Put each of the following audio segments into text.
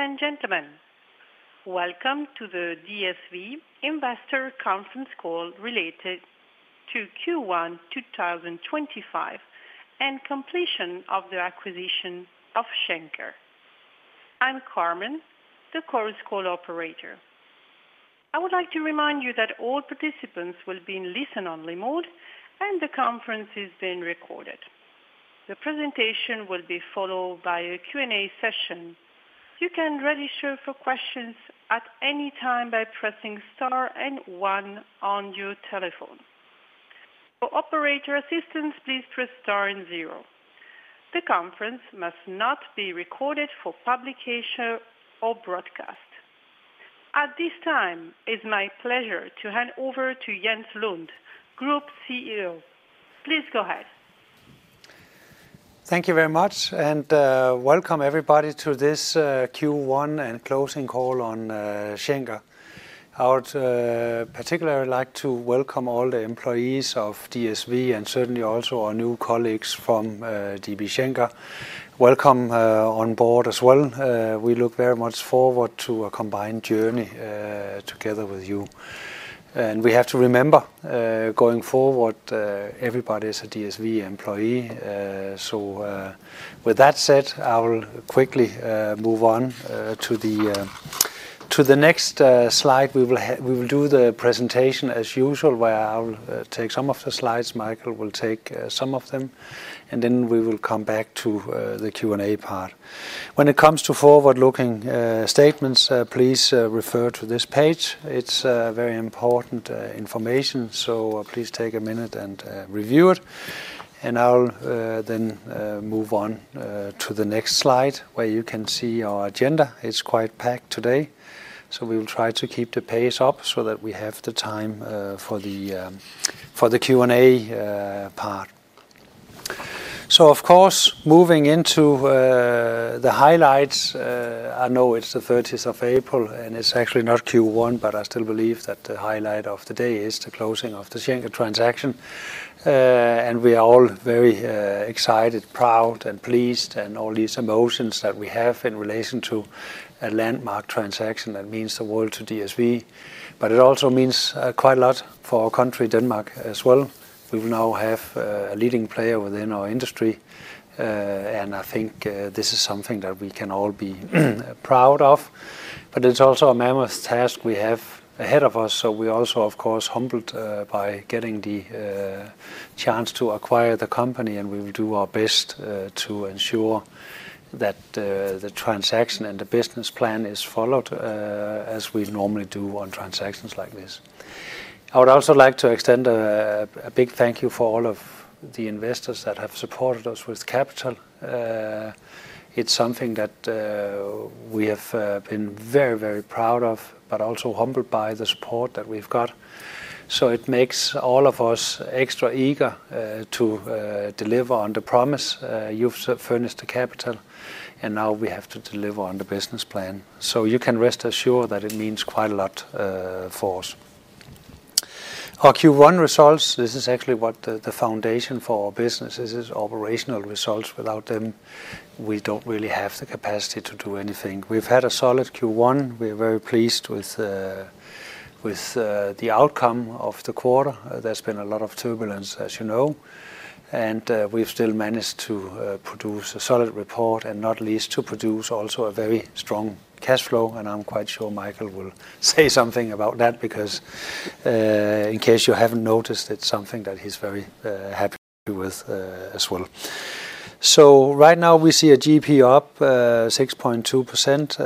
Ladies and gentlemen, welcome to the DSV Investor Conference Call related to Q1 2025 and completion of the acquisition of Schenker. I'm Carmen, the course call operator. I would like to remind you that all participants will be in listen-only mode and the conference is being recorded. The presentation will be followed by a Q&A session. You can register for questions at any time by pressing star and one on your telephone. For operator assistance, please press star and zero. The conference must not be recorded for publication or broadcast. At this time, it's my pleasure to hand over to Jens Lund, Group CEO. Please go ahead. Thank you very much, and welcome everybody to this Q1 and closing call on Schenker. I would particularly like to welcome all the employees of DSV and certainly also our new colleagues from DB Schenker. Welcome on board as well. We look very much forward to a combined journey together with you. We have to remember, going forward, everybody is a DSV employee. With that said, I will quickly move on to the next slide. We will do the presentation as usual, where I will take some of the slides, Michael will take some of them, and then we will come back to the Q&A part. When it comes to forward-looking statements, please refer to this page. It is very important information, so please take a minute and review it. I will then move on to the next slide, where you can see our agenda. It's quite packed today, so we will try to keep the pace up so that we have the time for the Q&A part. Of course, moving into the highlights, I know it's the 30th of April, and it's actually not Q1, but I still believe that the highlight of the day is the closing of the Schenker transaction. We are all very excited, proud, and pleased, and all these emotions that we have in relation to a landmark transaction that means the world to DSV. It also means quite a lot for our country, Denmark, as well. We will now have a leading player within our industry, and I think this is something that we can all be proud of. It is also a mammoth task we have ahead of us, so we are also, of course, humbled by getting the chance to acquire the company, and we will do our best to ensure that the transaction and the business plan is followed as we normally do on transactions like this. I would also like to extend a big thank you for all of the investors that have supported us with capital. It is something that we have been very, very proud of, but also humbled by the support that we have got. It makes all of us extra eager to deliver on the promise. You have furnished the capital, and now we have to deliver on the business plan. You can rest assured that it means quite a lot for us. Our Q1 results, this is actually what the foundation for our business is, is operational results. Without them, we don't really have the capacity to do anything. We've had a solid Q1. We are very pleased with the outcome of the quarter. There's been a lot of turbulence, as you know, and we've still managed to produce a solid report, not least to produce also a very strong cash flow. I'm quite sure Michael will say something about that because, in case you haven't noticed, it's something that he's very happy with as well. Right now we see a GP up 6.2%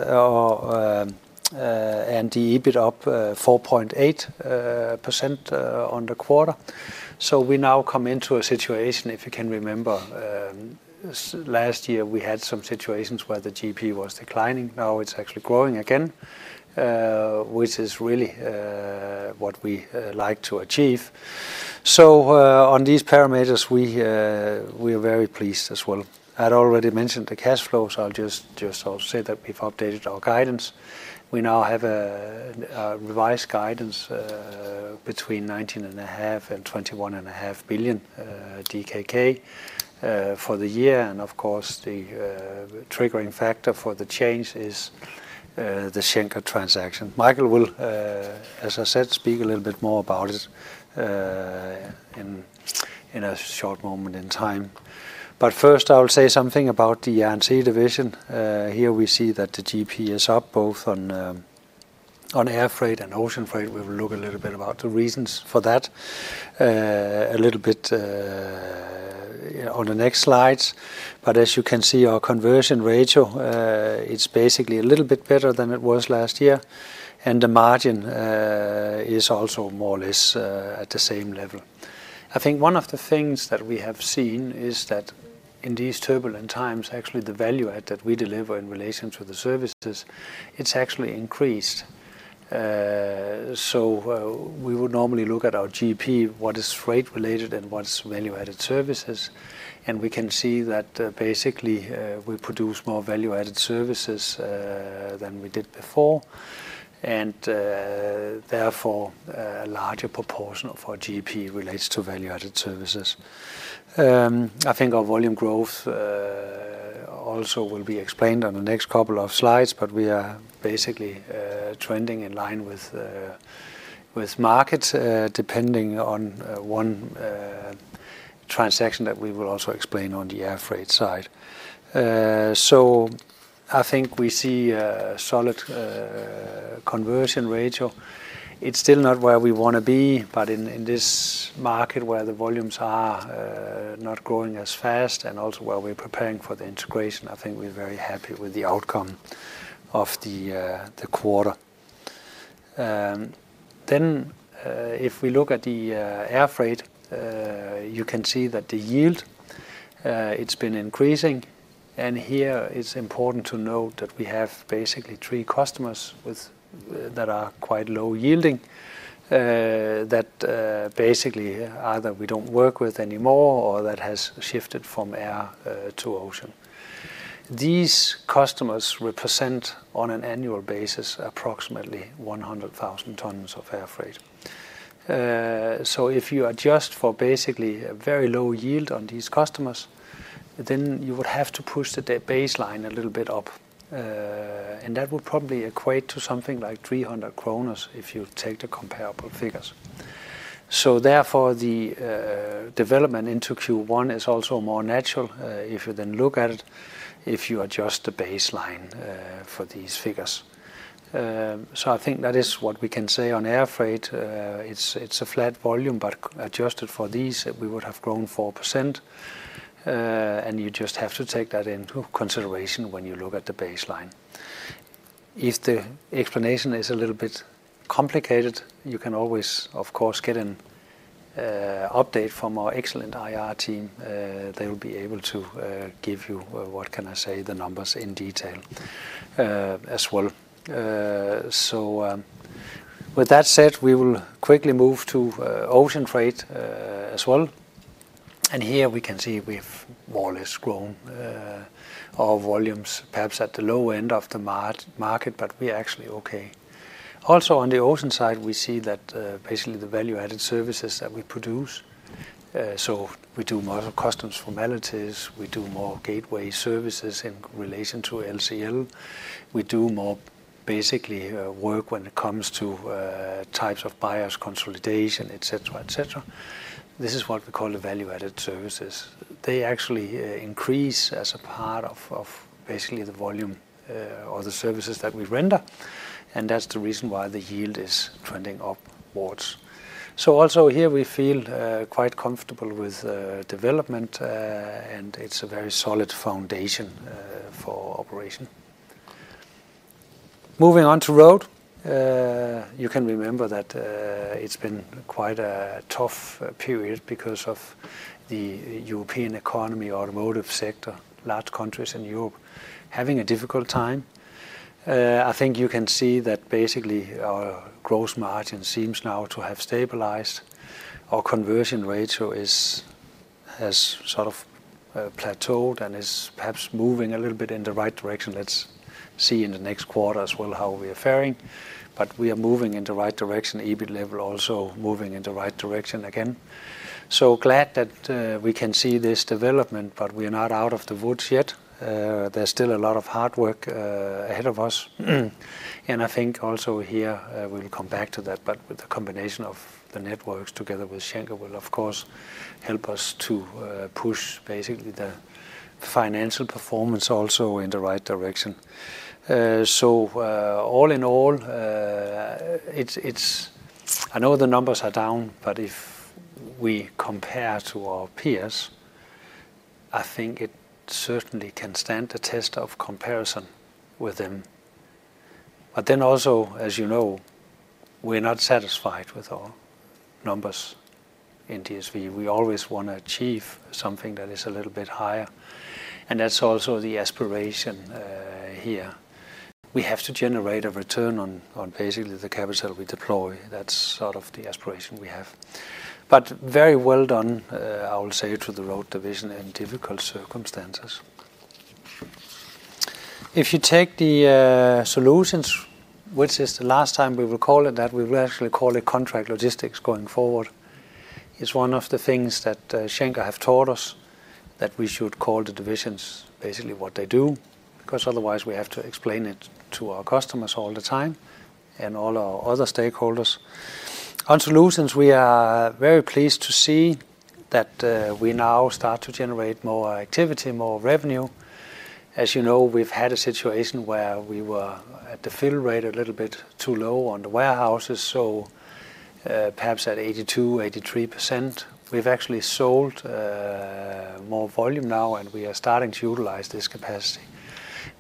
and the EBITDA up 4.8% on the quarter. We now come into a situation, if you can remember, last year we had some situations where the GP was declining. Now it's actually growing again, which is really what we like to achieve. On these parameters, we are very pleased as well. I'd already mentioned the cash flows, so I'll just say that we've updated our guidance. We now have a revised guidance between 19.5 billion DKK and DKK 21.5 billion for the year. Of course, the triggering factor for the change is the Schenker transaction. Michael will, as I said, speak a little bit more about it in a short moment in time. First, I will say something about the Air & Sea Division. Here we see that the GP is up both on air freight and ocean freight. We will look a little bit about the reasons for that a little bit on the next slides. As you can see, our conversion ratio, it's basically a little bit better than it was last year, and the margin is also more or less at the same level. I think one of the things that we have seen is that in these turbulent times, actually the value add that we deliver in relation to the services, it's actually increased. We would normally look at our GP, what is freight-related and what's value-added services, and we can see that basically we produce more value-added services than we did before, and therefore a larger proportion of our GP relates to value-added services. I think our volume growth also will be explained on the next couple of slides, but we are basically trending in line with market, depending on one transaction that we will also explain on the air freight side. I think we see a solid conversion ratio. It's still not where we want to be, but in this market where the volumes are not growing as fast and also where we're preparing for the integration, I think we're very happy with the outcome of the quarter. If we look at the air freight, you can see that the yield, it's been increasing. Here it's important to note that we have basically three customers that are quite low yielding, that basically either we don't work with anymore or that have shifted from air to ocean. These customers represent on an annual basis approximately 100,000 tons of air freight. If you adjust for basically a very low yield on these customers, then you would have to push the baseline a little bit up, and that would probably equate to something like 300 kroner if you take the comparable figures. Therefore, the development into Q1 is also more natural if you then look at it, if you adjust the baseline for these figures. I think that is what we can say on air freight. It's a flat volume, but adjusted for these, we would have grown 4%, and you just have to take that into consideration when you look at the baseline. If the explanation is a little bit complicated, you can always, of course, get an update from our excellent IR team. They will be able to give you, what can I say, the numbers in detail as well. With that said, we will quickly move to ocean freight as well. Here we can see we've more or less grown our volumes, perhaps at the low end of the market, but we're actually okay. Also on the ocean side, we see that basically the value-added services that we produce. We do more customs formalities. We do more gateway services in relation to LCL. We do more basically work when it comes to types of buyers, consolidation, et cetera, et cetera. This is what we call the value-added services. They actually increase as a part of basically the volume or the services that we render, and that's the reason why the yield is trending upwards. Here we feel quite comfortable with development, and it's a very solid foundation for operation. Moving on to road, you can remember that it's been quite a tough period because of the European economy, automotive sector, large countries in Europe having a difficult time. I think you can see that basically our gross margin seems now to have stabilized. Our conversion ratio has sort of plateaued and is perhaps moving a little bit in the right direction. Let's see in the next quarter as well how we are faring, but we are moving in the right direction. EBIT level also moving in the right direction again. Glad that we can see this development, but we are not out of the woods yet. There is still a lot of hard work ahead of us. I think also here we will come back to that, but with the combination of the networks together with Schenker will, of course, help us to push basically the financial performance also in the right direction. All in all, I know the numbers are down, but if we compare to our peers, I think it certainly can stand the test of comparison with them. As you know, we're not satisfied with our numbers in DSV. We always want to achieve something that is a little bit higher, and that's also the aspiration here. We have to generate a return on basically the capital we deploy. That's sort of the aspiration we have. Very well done, I will say, to the Road Division in difficult circumstances. If you take the Solutions, which is the last time we will call it that, we will actually call it Contract Logistics going forward. It's one of the things that Schenker have taught us, that we should call the divisions basically what they do, because otherwise we have to explain it to our customers all the time and all our other stakeholders. On Solutions, we are very pleased to see that we now start to generate more activity, more revenue. As you know, we've had a situation where we were at the fill rate a little bit too low on the warehouses, so perhaps at 82%-83%. We've actually sold more volume now, and we are starting to utilize this capacity.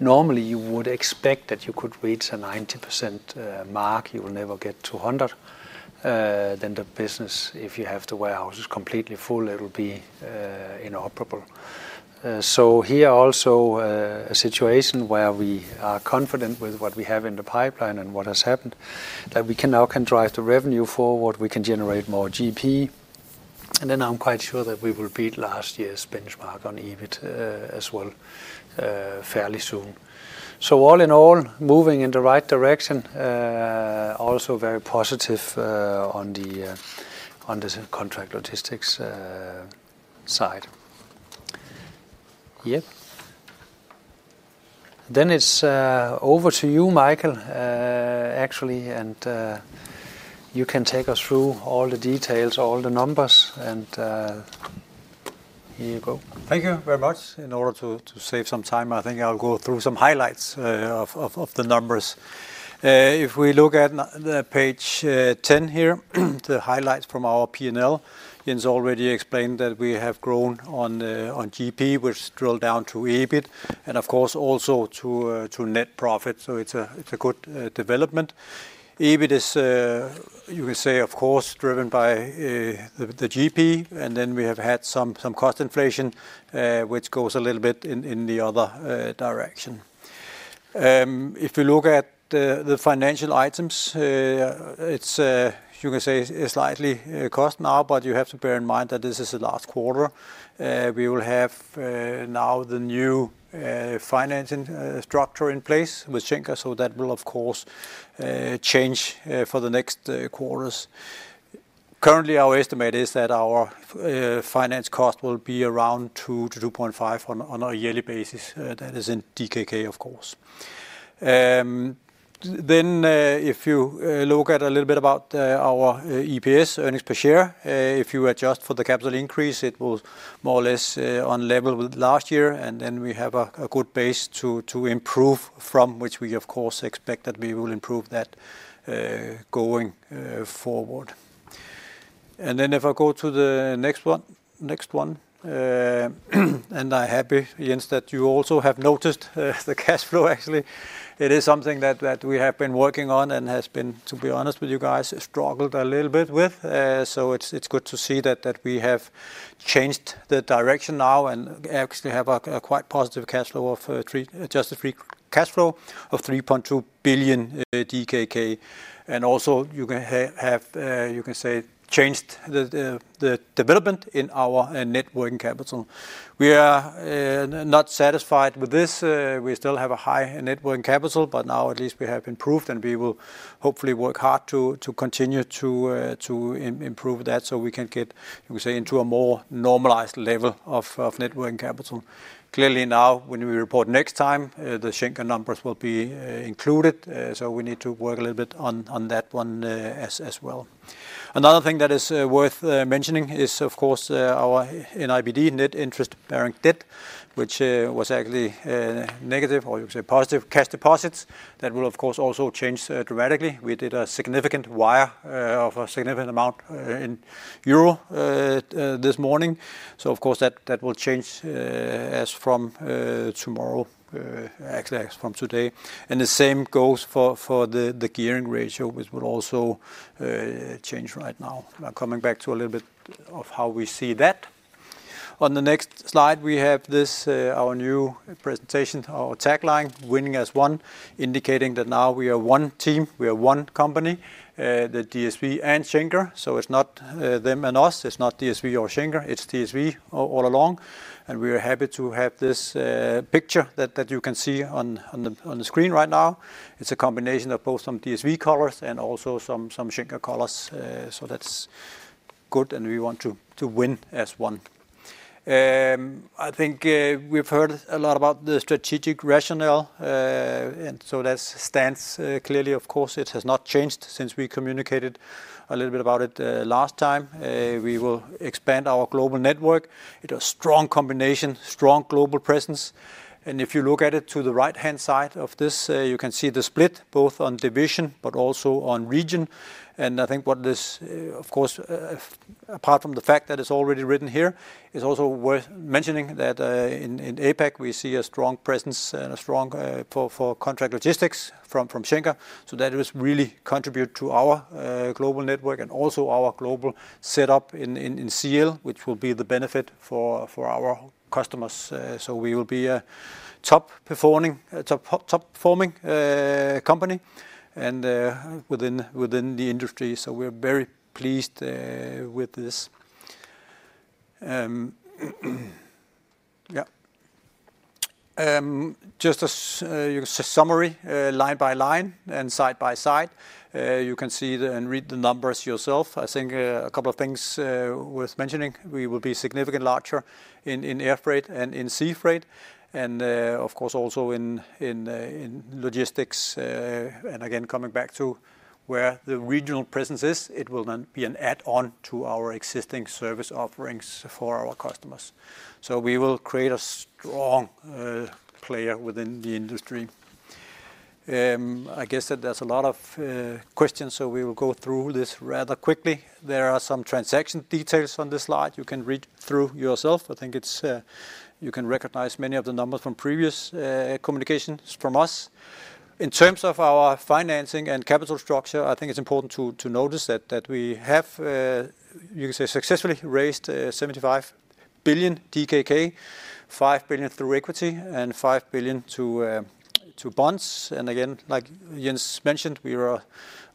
Normally, you would expect that you could reach a 90% mark. You will never get to 100%. If you have the warehouses completely full, it will be inoperable. Here also a situation where we are confident with what we have in the pipeline and what has happened, that we can now drive the revenue forward. We can generate more GP, and then I'm quite sure that we will beat last year's benchmark on EBIT as well fairly soon. All in all, moving in the right direction, also very positive on the contract logistics side. Yep. It is over to you, Michael, actually, and you can take us through all the details, all the numbers, and here you go. Thank you very much. In order to save some time, I think I'll go through some highlights of the numbers. If we look at page 10 here, the highlights from our P&L, Jens already explained that we have grown on GP, which drilled down to EBIT, and of course also to net profit. It is a good development. EBIT is, you can say, of course, driven by the GP, and then we have had some cost inflation, which goes a little bit in the other direction. If we look at the financial items, it is, you can say, slightly cost now, but you have to bear in mind that this is the last quarter. We will have now the new financing structure in place with Schenker, so that will, of course, change for the next quarters. Currently, our estimate is that our finance cost will be around 2 million-2.5 billion on a yearly basis. That is in DKK, of course. If you look at a little bit about our EPS, earnings per share, if you adjust for the capital increase, it was more or less on level with last year, and we have a good base to improve from, which we, of course, expect that we will improve that going forward. If I go to the next one, and I am happy, Jens, that you also have noticed the cash flow, actually. It is something that we have been working on and has been, to be honest with you guys, struggled a little bit with. It is good to see that we have changed the direction now and actually have a quite positive cash flow of just a free cash flow of 3.2 billion DKK. Also, you can say changed the development in our networking capital. We are not satisfied with this. We still have a high networking capital, but now at least we have improved, and we will hopefully work hard to continue to improve that so we can get, you can say, into a more normalized level of networking capital. Clearly now, when we report next time, the Schenker numbers will be included, so we need to work a little bit on that one as well. Another thing that is worth mentioning is, of course, our NIBD net interest bearing debt, which was actually negative or you can say positive cash deposits that will, of course, also change dramatically. We did a significant wire of a significant amount in EUR this morning. Of course, that will change from tomorrow, actually from today. The same goes for the gearing ratio, which will also change right now. Now coming back to a little bit of how we see that. On the next slide, we have this, our new presentation, our tagline, winning as one, indicating that now we are one team, we are one company, the DSV and Schenker. It is not them and us. It is not DSV or Schenker. It is DSV all along. We are happy to have this picture that you can see on the screen right now. It is a combination of both some DSV colors and also some Schenker colors. That is good, and we want to win as one. I think we have heard a lot about the strategic rationale, and so that stands clearly. Of course, it has not changed since we communicated a little bit about it last time. We will expand our global network. It is a strong combination, strong global presence. If you look at it to the right-hand side of this, you can see the split both on division, but also on region. I think what this, of course, apart from the fact that it's already written here, it's also worth mentioning that in APAC, we see a strong presence and a strong for contract logistics from Schenker. That will really contribute to our global network and also our global setup in LCL, which will be the benefit for our customers. We will be a top performing company within the industry. We're very pleased with this. Just a summary line by line and side by side. You can see and read the numbers yourself. I think a couple of things worth mentioning. We will be significantly larger in air freight and in sea freight, and of course also in logistics. Again, coming back to where the regional presence is, it will then be an add-on to our existing service offerings for our customers. We will create a strong player within the industry. I guess that there's a lot of questions, so we will go through this rather quickly. There are some transaction details on this slide. You can read through yourself. I think you can recognize many of the numbers from previous communications from us. In terms of our financing and capital structure, I think it's important to notice that we have, you can say, successfully raised 75 billion DKK, 5 billion through equity, and 5 billion to bonds. Like Jens mentioned, we were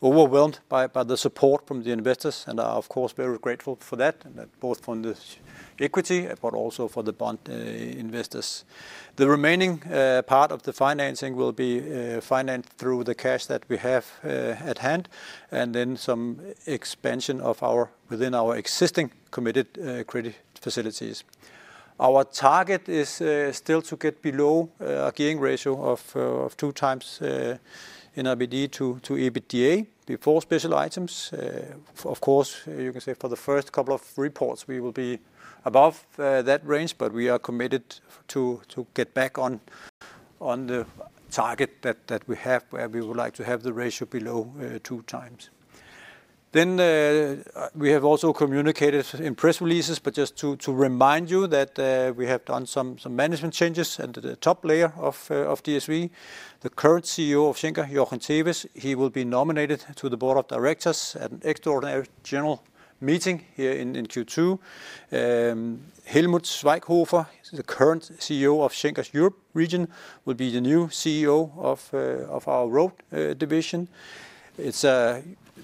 overwhelmed by the support from the investors and are, of course, very grateful for that, both from the equity, but also for the bond investors. The remaining part of the financing will be financed through the cash that we have at hand, and some expansion within our existing committed credit facilities. Our target is still to get below a gearing ratio of two times NIBD to EBITDA before special items. Of course, you can say for the first couple of reports, we will be above that range, but we are committed to get back on the target that we have, where we would like to have the ratio below two times. We have also communicated in press releases, but just to remind you that we have done some management changes at the top layer of DSV. The current CEO of Schenker, Jochen Thewes, he will be nominated to the Board of Directors at an extraordinary general meeting here in Q2. Helmut Schweighofer, the current CEO of Schenker's Europe region, will be the new CEO of our Road division.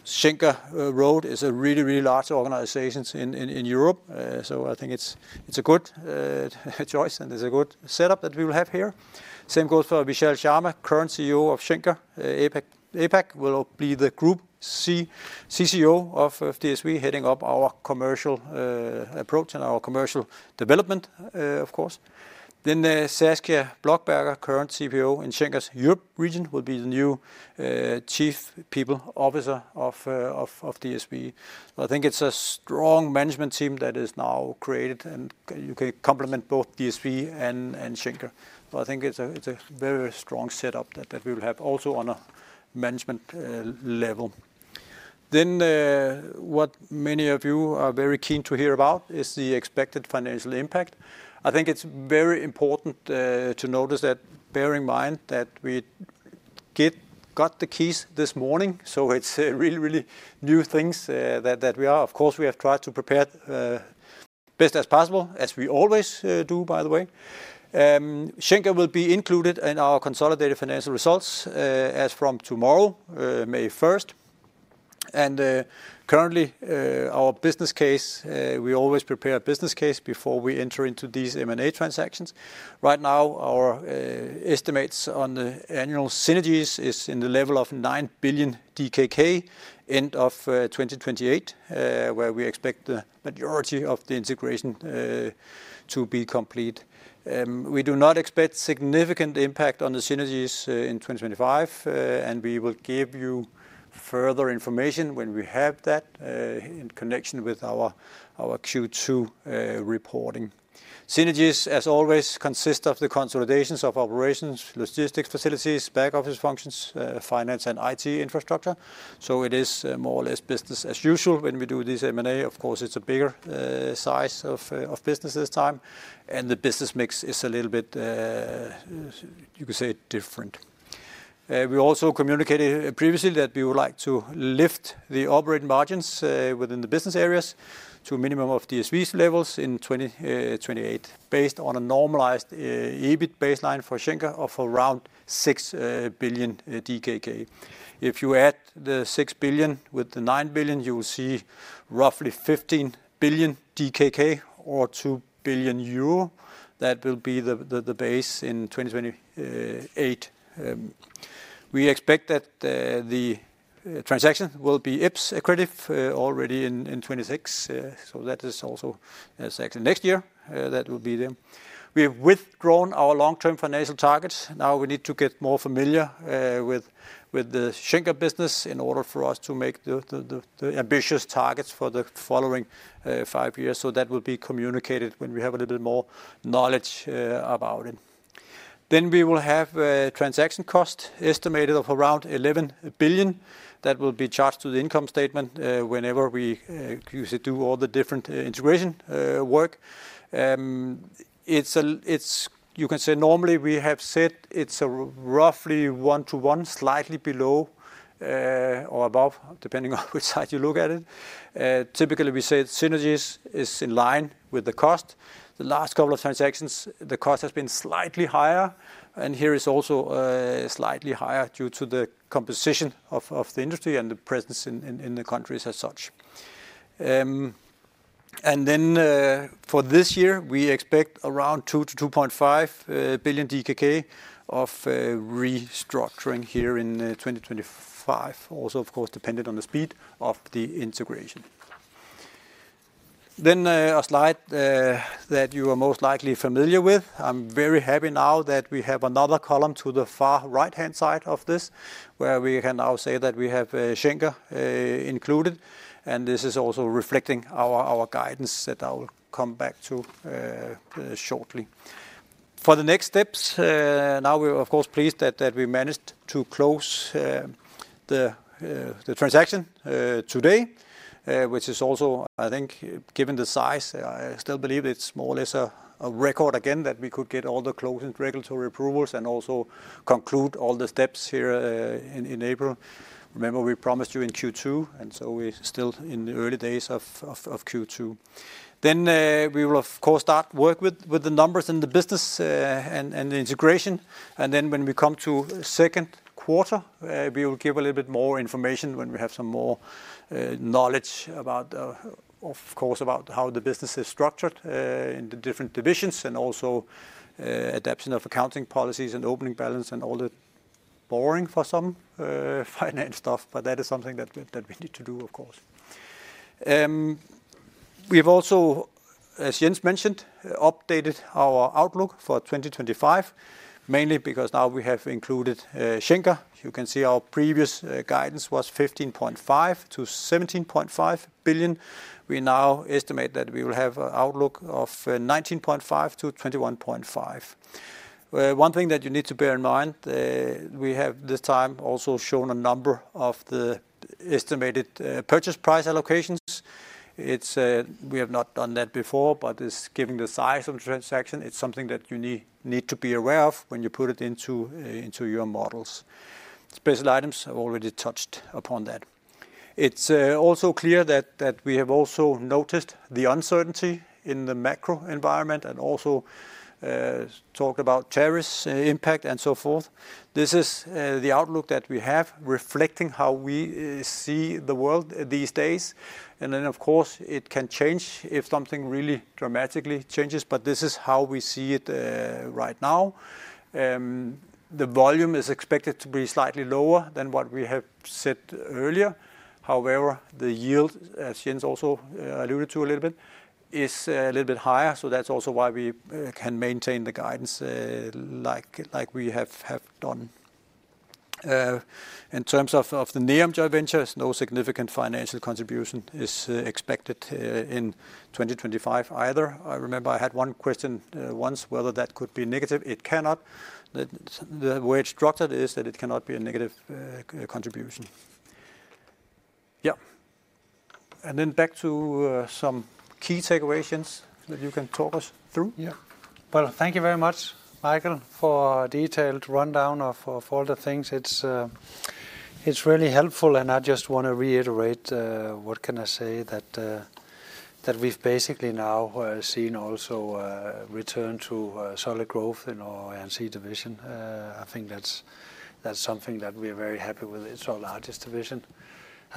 Schenker Road is a really, really large organization in Europe, so I think it's a good choice and it's a good setup that we will have here. Same goes for Vishal Sharma, current CEO of Schenker APAC, will be the Group CCO of DSV, heading up our Commercial Approach and our Commercial Development, of course. Saskia Blochberger, current CPO in Schenker's Europe region, will be the new Chief People Officer of DSV. I think it's a strong management team that is now created, and you can complement both DSV and Schenker. I think it's a very strong setup that we will have also on a management level. Then what many of you are very keen to hear about is the expected financial impact. I think it's very important to notice that bearing in mind that we got the keys this morning, so it's really, really new things that we are. Of course, we have tried to prepare best as possible, as we always do, by the way. Schenker will be included in our consolidated financial results as from tomorrow, May 1st. Currently, our business case, we always prepare a business case before we enter into these M&A transactions. Right now, our estimates on the annual synergies is in the level of 9 billion DKK end of 2028, where we expect the majority of the integration to be complete. We do not expect significant impact on the synergies in 2025, and we will give you further information when we have that in connection with our Q2 reporting. Synergies, as always, consist of the consolidations of operations, logistics facilities, back office functions, finance, and IT infrastructure. It is more or less business as usual when we do these M&A. Of course, it is a bigger size of business this time, and the business mix is a little bit, you can say, different. We also communicated previously that we would like to lift the operating margins within the business areas to a minimum of DSV levels in 2028, based on a normalized EBIT baseline for Schenker of around 6 billion DKK. If you add the 6 billion with the 9 billion, you will see roughly 15 billion DKK or 2 billion euro. That will be the base in 2028. We expect that the transaction will be IPS accredited already in 2026. That is also next year that will be there. We have withdrawn our long-term financial targets. Now we need to get more familiar with the Schenker business in order for us to make the ambitious targets for the following five years. That will be communicated when we have a little bit more knowledge about it. We will have a transaction cost estimated of around 11 billion that will be charged to the income statement whenever we do all the different integration work. You can say normally we have said it is roughly one to one, slightly below or above, depending on which side you look at it. Typically, we say synergies is in line with the cost. The last couple of transactions, the cost has been slightly higher, and here is also slightly higher due to the composition of the industry and the presence in the countries as such. For this year, we expect around 2 billion-2.5 billion DKK of restructuring here in 2025, also, of course, dependent on the speed of the integration. A slide that you are most likely familiar with. I'm very happy now that we have another column to the far right-hand side of this, where we can now say that we have Schenker included, and this is also reflecting our guidance that I will come back to shortly. For the next steps, now we're, of course, pleased that we managed to close the transaction today, which is also, I think, given the size, I still believe it's more or less a record again that we could get all the closing regulatory approvals and also conclude all the steps here in April. Remember, we promised you in Q2, and so we're still in the early days of Q2. We will, of course, start work with the numbers and the business and the integration. When we come to second quarter, we will give a little bit more information when we have some more knowledge about, of course, about how the business is structured in the different divisions and also adapting of accounting policies and opening balance and all the boring for some finance stuff. That is something that we need to do, of course. We have also, as Jens mentioned, updated our outlook for 2025, mainly because now we have included Schenker. You can see our previous guidance was 15.5 billion-17.5 billion. We now estimate that we will have an outlook of 19.5 billion-21.5 billion. One thing that you need to bear in mind, we have this time also shown a number of the estimated purchase price allocations. We have not done that before, but given the size of the transaction, it is something that you need to be aware of when you put it into your models. Special items have already touched upon that. It is also clear that we have also noticed the uncertainty in the macro environment and also talked about tariffs, impact, and so forth. This is the outlook that we have reflecting how we see the world these days. Of course, it can change if something really dramatically changes, but this is how we see it right now. The volume is expected to be slightly lower than what we have said earlier. However, the yield, as Jens also alluded to a little bit, is a little bit higher. That is also why we can maintain the guidance like we have done. In terms of the NEOM joint ventures, no significant financial contribution is expected in 2025 either. I remember I had one question once whether that could be negative. It cannot. The way it is structured is that it cannot be a negative contribution. Yeah. Back to some key takeaways that you can talk us through. Yeah. Thank you very much, Michael, for the detailed rundown of all the things. It's really helpful, and I just want to reiterate what can I say that we've basically now seen also return to solid growth in our Air & Sea Division. I think that's something that we are very happy with. It's our largest division.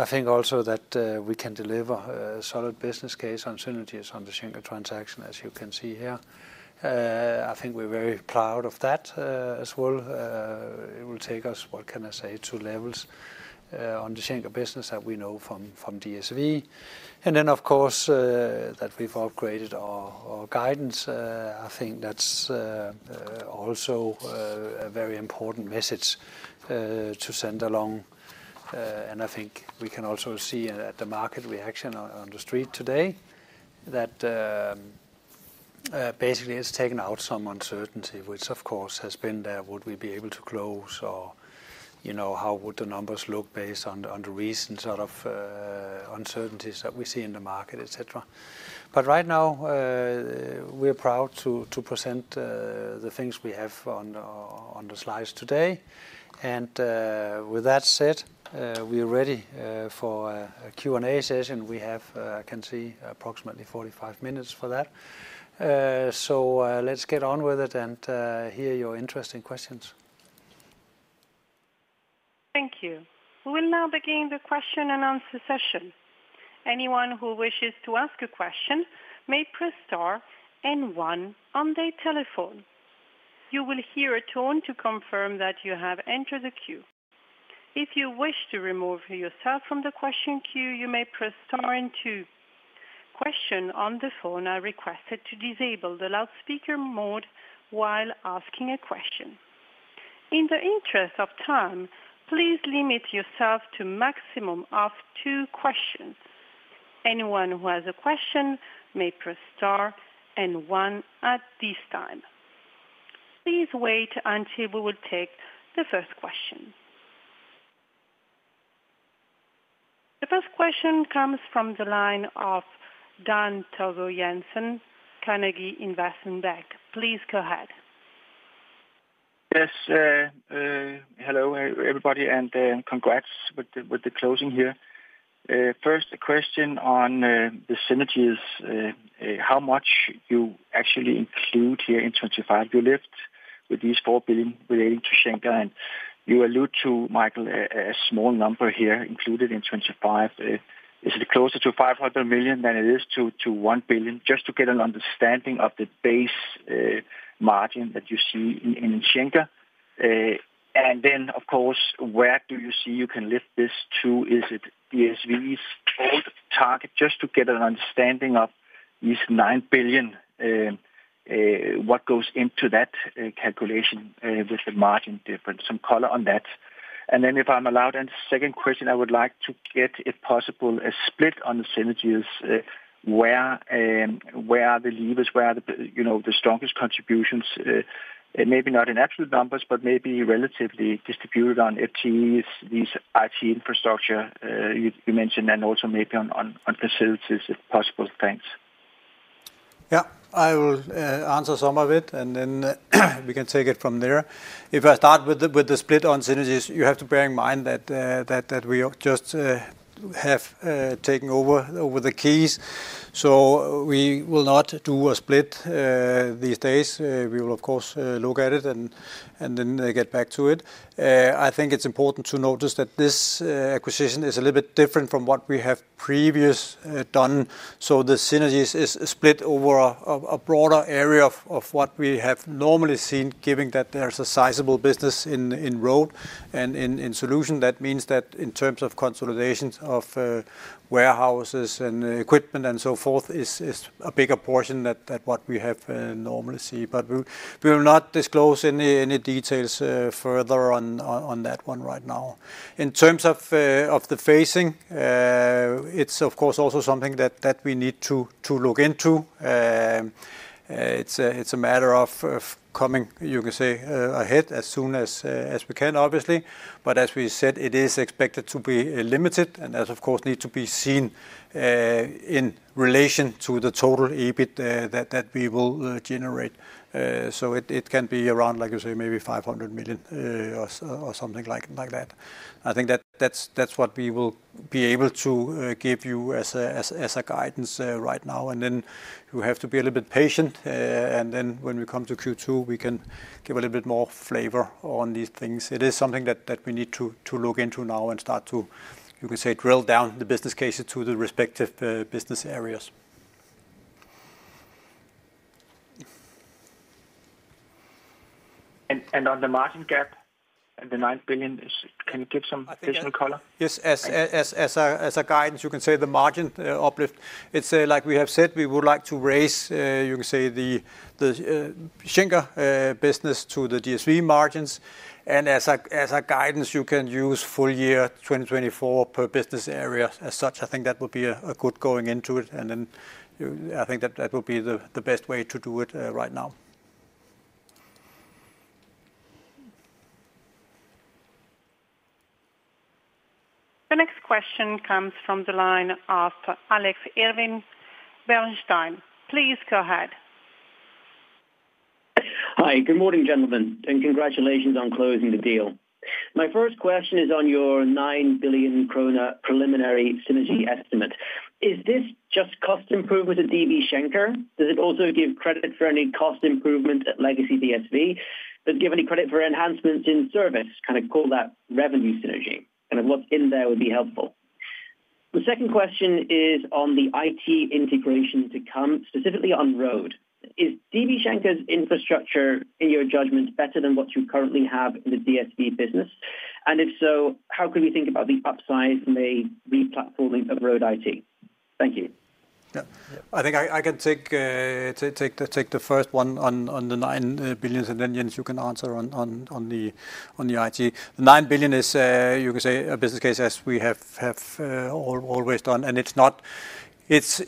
I think also that we can deliver a solid business case on synergies on the Schenker transaction, as you can see here. I think we're very proud of that as well. It will take us, what can I say, two levels on the Schenker business that we know from DSV. Of course, that we've upgraded our guidance. I think that's also a very important message to send along. I think we can also see at the market reaction on the street today that basically it's taken out some uncertainty, which, of course, has been there. Would we be able to close? How would the numbers look based on the recent sort of uncertainties that we see in the market, etc.? Right now, we are proud to present the things we have on the slides today. With that said, we are ready for a Q&A session. We have, I can see, approximately 45 minutes for that. Let's get on with it and hear your interesting questions. Thank you. We will now begin the question and answer session. Anyone who wishes to ask a question may press star and one on their telephone. You will hear a tone to confirm that you have entered the queue. If you wish to remove yourself from the question queue, you may press star and two. Questioners on the phone are requested to disable the loudspeaker mode while asking a question. In the interest of time, please limit yourself to a maximum of two questions. Anyone who has a question may press star and one at this time. Please wait until we take the first question. The first question comes from the line of Dan Togo Jensen, Carnegie Investment Bank. Please go ahead. Yes. Hello, everybody, and congrats with the closing here. First, a question on the synergies, how much you actually include here in 2025. You are left with these 4 billion relating to Schenker, and you allude to, Michael, a small number here included in 2025. Is it closer to 500 million than it is to 1 billion? Just to get an understanding of the base margin that you see in Schenker. Where do you see you can lift this to? Is it DSV's old target? Just to get an understanding of these 9 billion, what goes into that calculation with the margin difference? Some color on that. If I'm allowed, then the second question, I would like to get, if possible, a split on the synergies, where are the levers, where are the strongest contributions? Maybe not in absolute numbers, but maybe relatively distributed on FTEs, these IT infrastructure you mentioned, and also maybe on facilities, if possible. Thanks. Yeah. I will answer some of it, and then we can take it from there. If I start with the split on synergies, you have to bear in mind that we just have taken over the keys. We will not do a split these days. We will, of course, look at it and then get back to it. I think it's important to notice that this acquisition is a little bit different from what we have previously done. The synergies is split over a broader area of what we have normally seen, given that there's a sizable business in Road and in Solutions. That means that in terms of consolidations of warehouses and equipment and so forth, it's a bigger portion than what we have normally seen. We will not disclose any details further on that one right now. In terms of the phasing, it's, of course, also something that we need to look into. It's a matter of coming, you can say, ahead as soon as we can, obviously. As we said, it is expected to be limited, and that's, of course, need to be seen in relation to the total EBIT that we will generate. It can be around, like you say, maybe 500 million or something like that. I think that's what we will be able to give you as a guidance right now. You have to be a little bit patient. When we come to Q2, we can give a little bit more flavor on these things. It is something that we need to look into now and start to, you can say, drill down the business cases to the respective business areas. On the margin gap and the 9 billion, can you give some additional color? Yes. As a guidance, you can say the margin uplift. It's like we have said, we would like to raise, you can say, the Schenker business to the DSV margins. As a guidance, you can use full year 2024 per business area as such. I think that would be good going into it. I think that that would be the best way to do it right now. The next question comes from the line of Alex Irving, Bernstein. Please go ahead. Hi. Good morning, gentlemen, and congratulations on closing the deal. My first question is on your 9 billion krone preliminary synergy estimate. Is this just cost improvement with the DB Schenker? Does it also give credit for any cost improvement at legacy DSV? Does it give any credit for enhancements in service? Kind of call that revenue synergy. Kind of what's in there would be helpful. The second question is on the IT integration to come, specifically on Road. Is DB Schenker's infrastructure, in your judgment, better than what you currently have in the DSV business? If so, how can we think about the upside from a replatforming of Road IT? Thank you. Yeah. I think I can take the first one on the 9 billion, and then Jens, you can answer on the IT. The 9 billion is, you can say, a business case as we have always done. It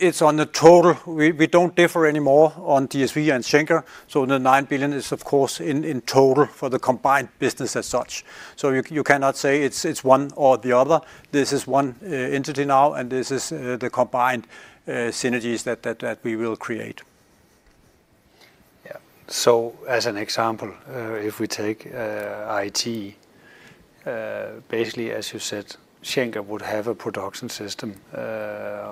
is on the total. We do not differ anymore on DSV and Schenker. The 9 billion is, of course, in total for the combined business as such. You cannot say it is one or the other. This is one entity now, and this is the combined synergies that we will create. Yeah. As an example, if we take IT, basically, as you said, Schenker would have a production system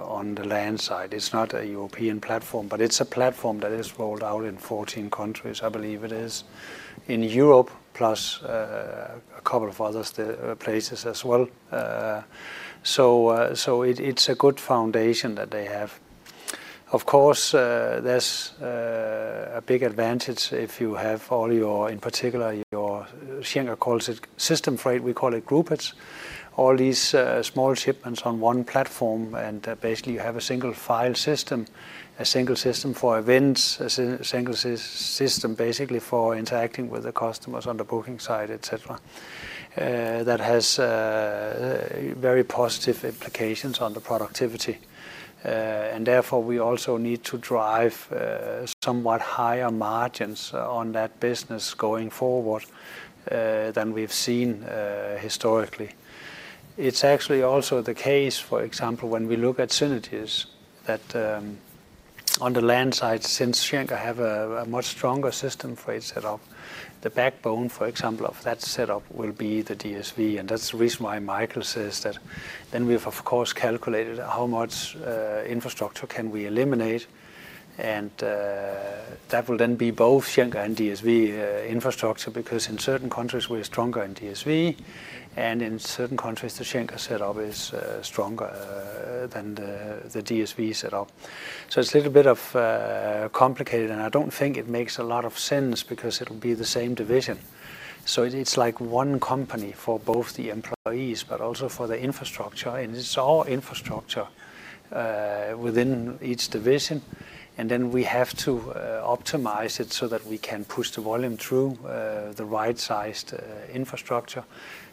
on the land side. It's not a European platform, but it's a platform that is rolled out in 14 countries, I believe it is, in Europe plus a couple of other places as well. It's a good foundation that they have. Of course, there's a big advantage if you have all your, in particular, your Schenker calls it system freight. We call it group it. All these small shipments on one platform, and basically you have a single file system, a single system for events, a single system basically for interacting with the customers on the booking side, etc., that has very positive implications on the productivity. Therefore, we also need to drive somewhat higher margins on that business going forward than we've seen historically. It's actually also the case, for example, when we look at synergies that on the land side, since Schenker have a much stronger system freight setup, the backbone, for example, of that setup will be the DSV. That's the reason why Michael says that. We have, of course, calculated how much infrastructure can we eliminate. That will then be both Schenker and DSV infrastructure because in certain countries, we are stronger in DSV, and in certain countries, the Schenker setup is stronger than the DSV setup. It's a little bit complicated, and I don't think it makes a lot of sense because it will be the same division. It's like one company for both the employees, but also for the infrastructure. It's all infrastructure within each division. We have to optimize it so that we can push the volume through the right-sized infrastructure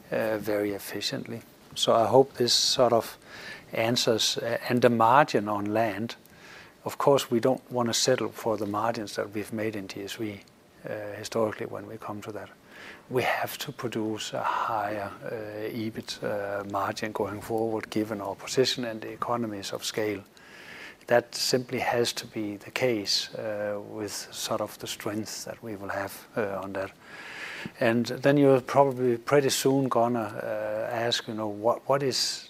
very efficiently. I hope this sort of answers and the margin on land. Of course, we do not want to settle for the margins that we have made in DSV historically when we come to that. We have to produce a higher EBIT margin going forward, given our position and the economies of scale. That simply has to be the case with sort of the strength that we will have on that. You are probably pretty soon going to ask, what is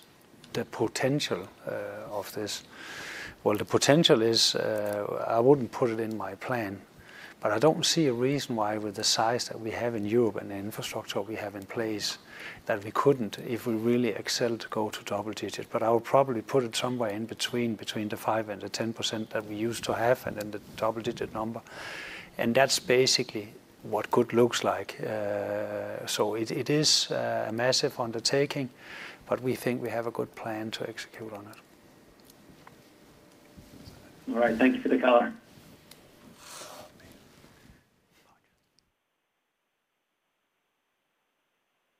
the potential of this? The potential is, I would not put it in my plan, but I do not see a reason why with the size that we have in Europe and the infrastructure we have in place that we could not, if we really excel, go to double digit. I would probably put it somewhere in between the 5% and the 10% that we used to have and then the double digit number. That is basically what good looks like. It is a massive undertaking, but we think we have a good plan to execute on it. All right. Thank you for the color.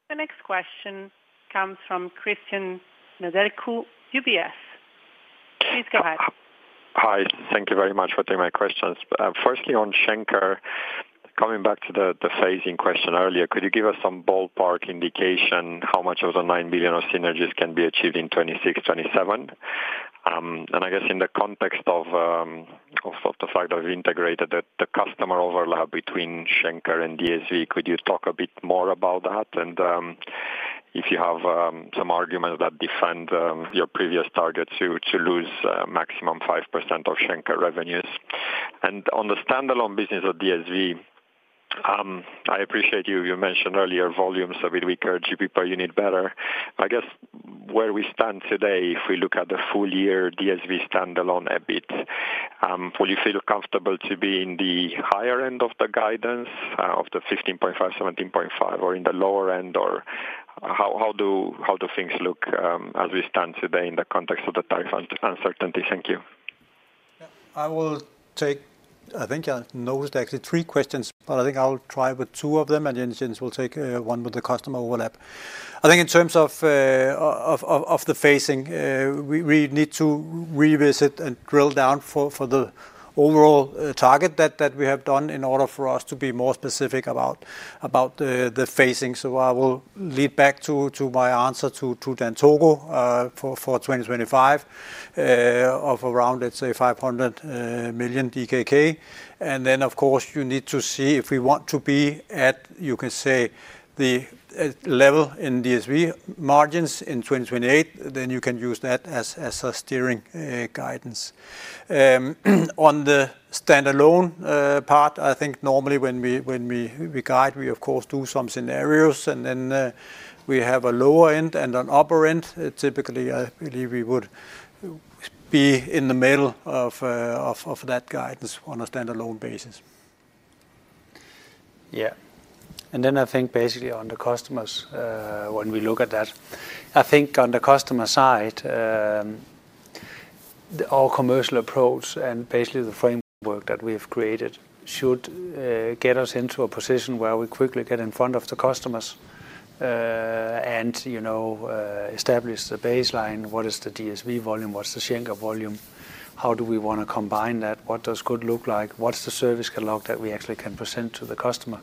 The next question comes from Cristian Nedelcu, UBS. Please go ahead. Hi. Thank you very much for taking my questions. Firstly, on Schenker, coming back to the phasing question earlier, could you give us some ballpark indication how much of the 9 billion of synergies can be achieved in 2026, 2027? I guess in the context of the fact that we have integrated the customer overlap between Schenker and DSV, could you talk a bit more about that? If you have some arguments that defend your previous target to lose maximum 5% of Schenker revenues. On the standalone business of DSV, I appreciate you mentioned earlier volumes a bit weaker, GP per unit better. I guess where we stand today, if we look at the full year DSV standalone EBIT, will you feel comfortable to be in the higher end of the guidance of the 15.5 billion-17.5 billion, or in the lower end? How do things look as we stand today in the context of the tariff uncertainty? Thank you. I will take, I think I noticed actually three questions, but I think I'll try with two of them, and then Jens will take one with the customer overlap. I think in terms of the phasing, we need to revisit and drill down for the overall target that we have done in order for us to be more specific about the phasing. I will lead back to my answer to Dan Togo for 2025 of around, let's say, 500 million DKK. Of course, you need to see if we want to be at, you can say, the level in DSV margins in 2028, then you can use that as a steering guidance. On the standalone part, I think normally when we guide, we, of course, do some scenarios, and then we have a lower end and an upper end. Typically, I believe we would be in the middle of that guidance on a standalone basis. Yeah. I think basically on the customers, when we look at that, I think on the customer side, our commercial approach and basically the framework that we have created should get us into a position where we quickly get in front of the customers and establish the baseline. What is the DSV volume? What's the Schenker volume? How do we want to combine that? What does good look like? What's the service catalog that we actually can present to the customer?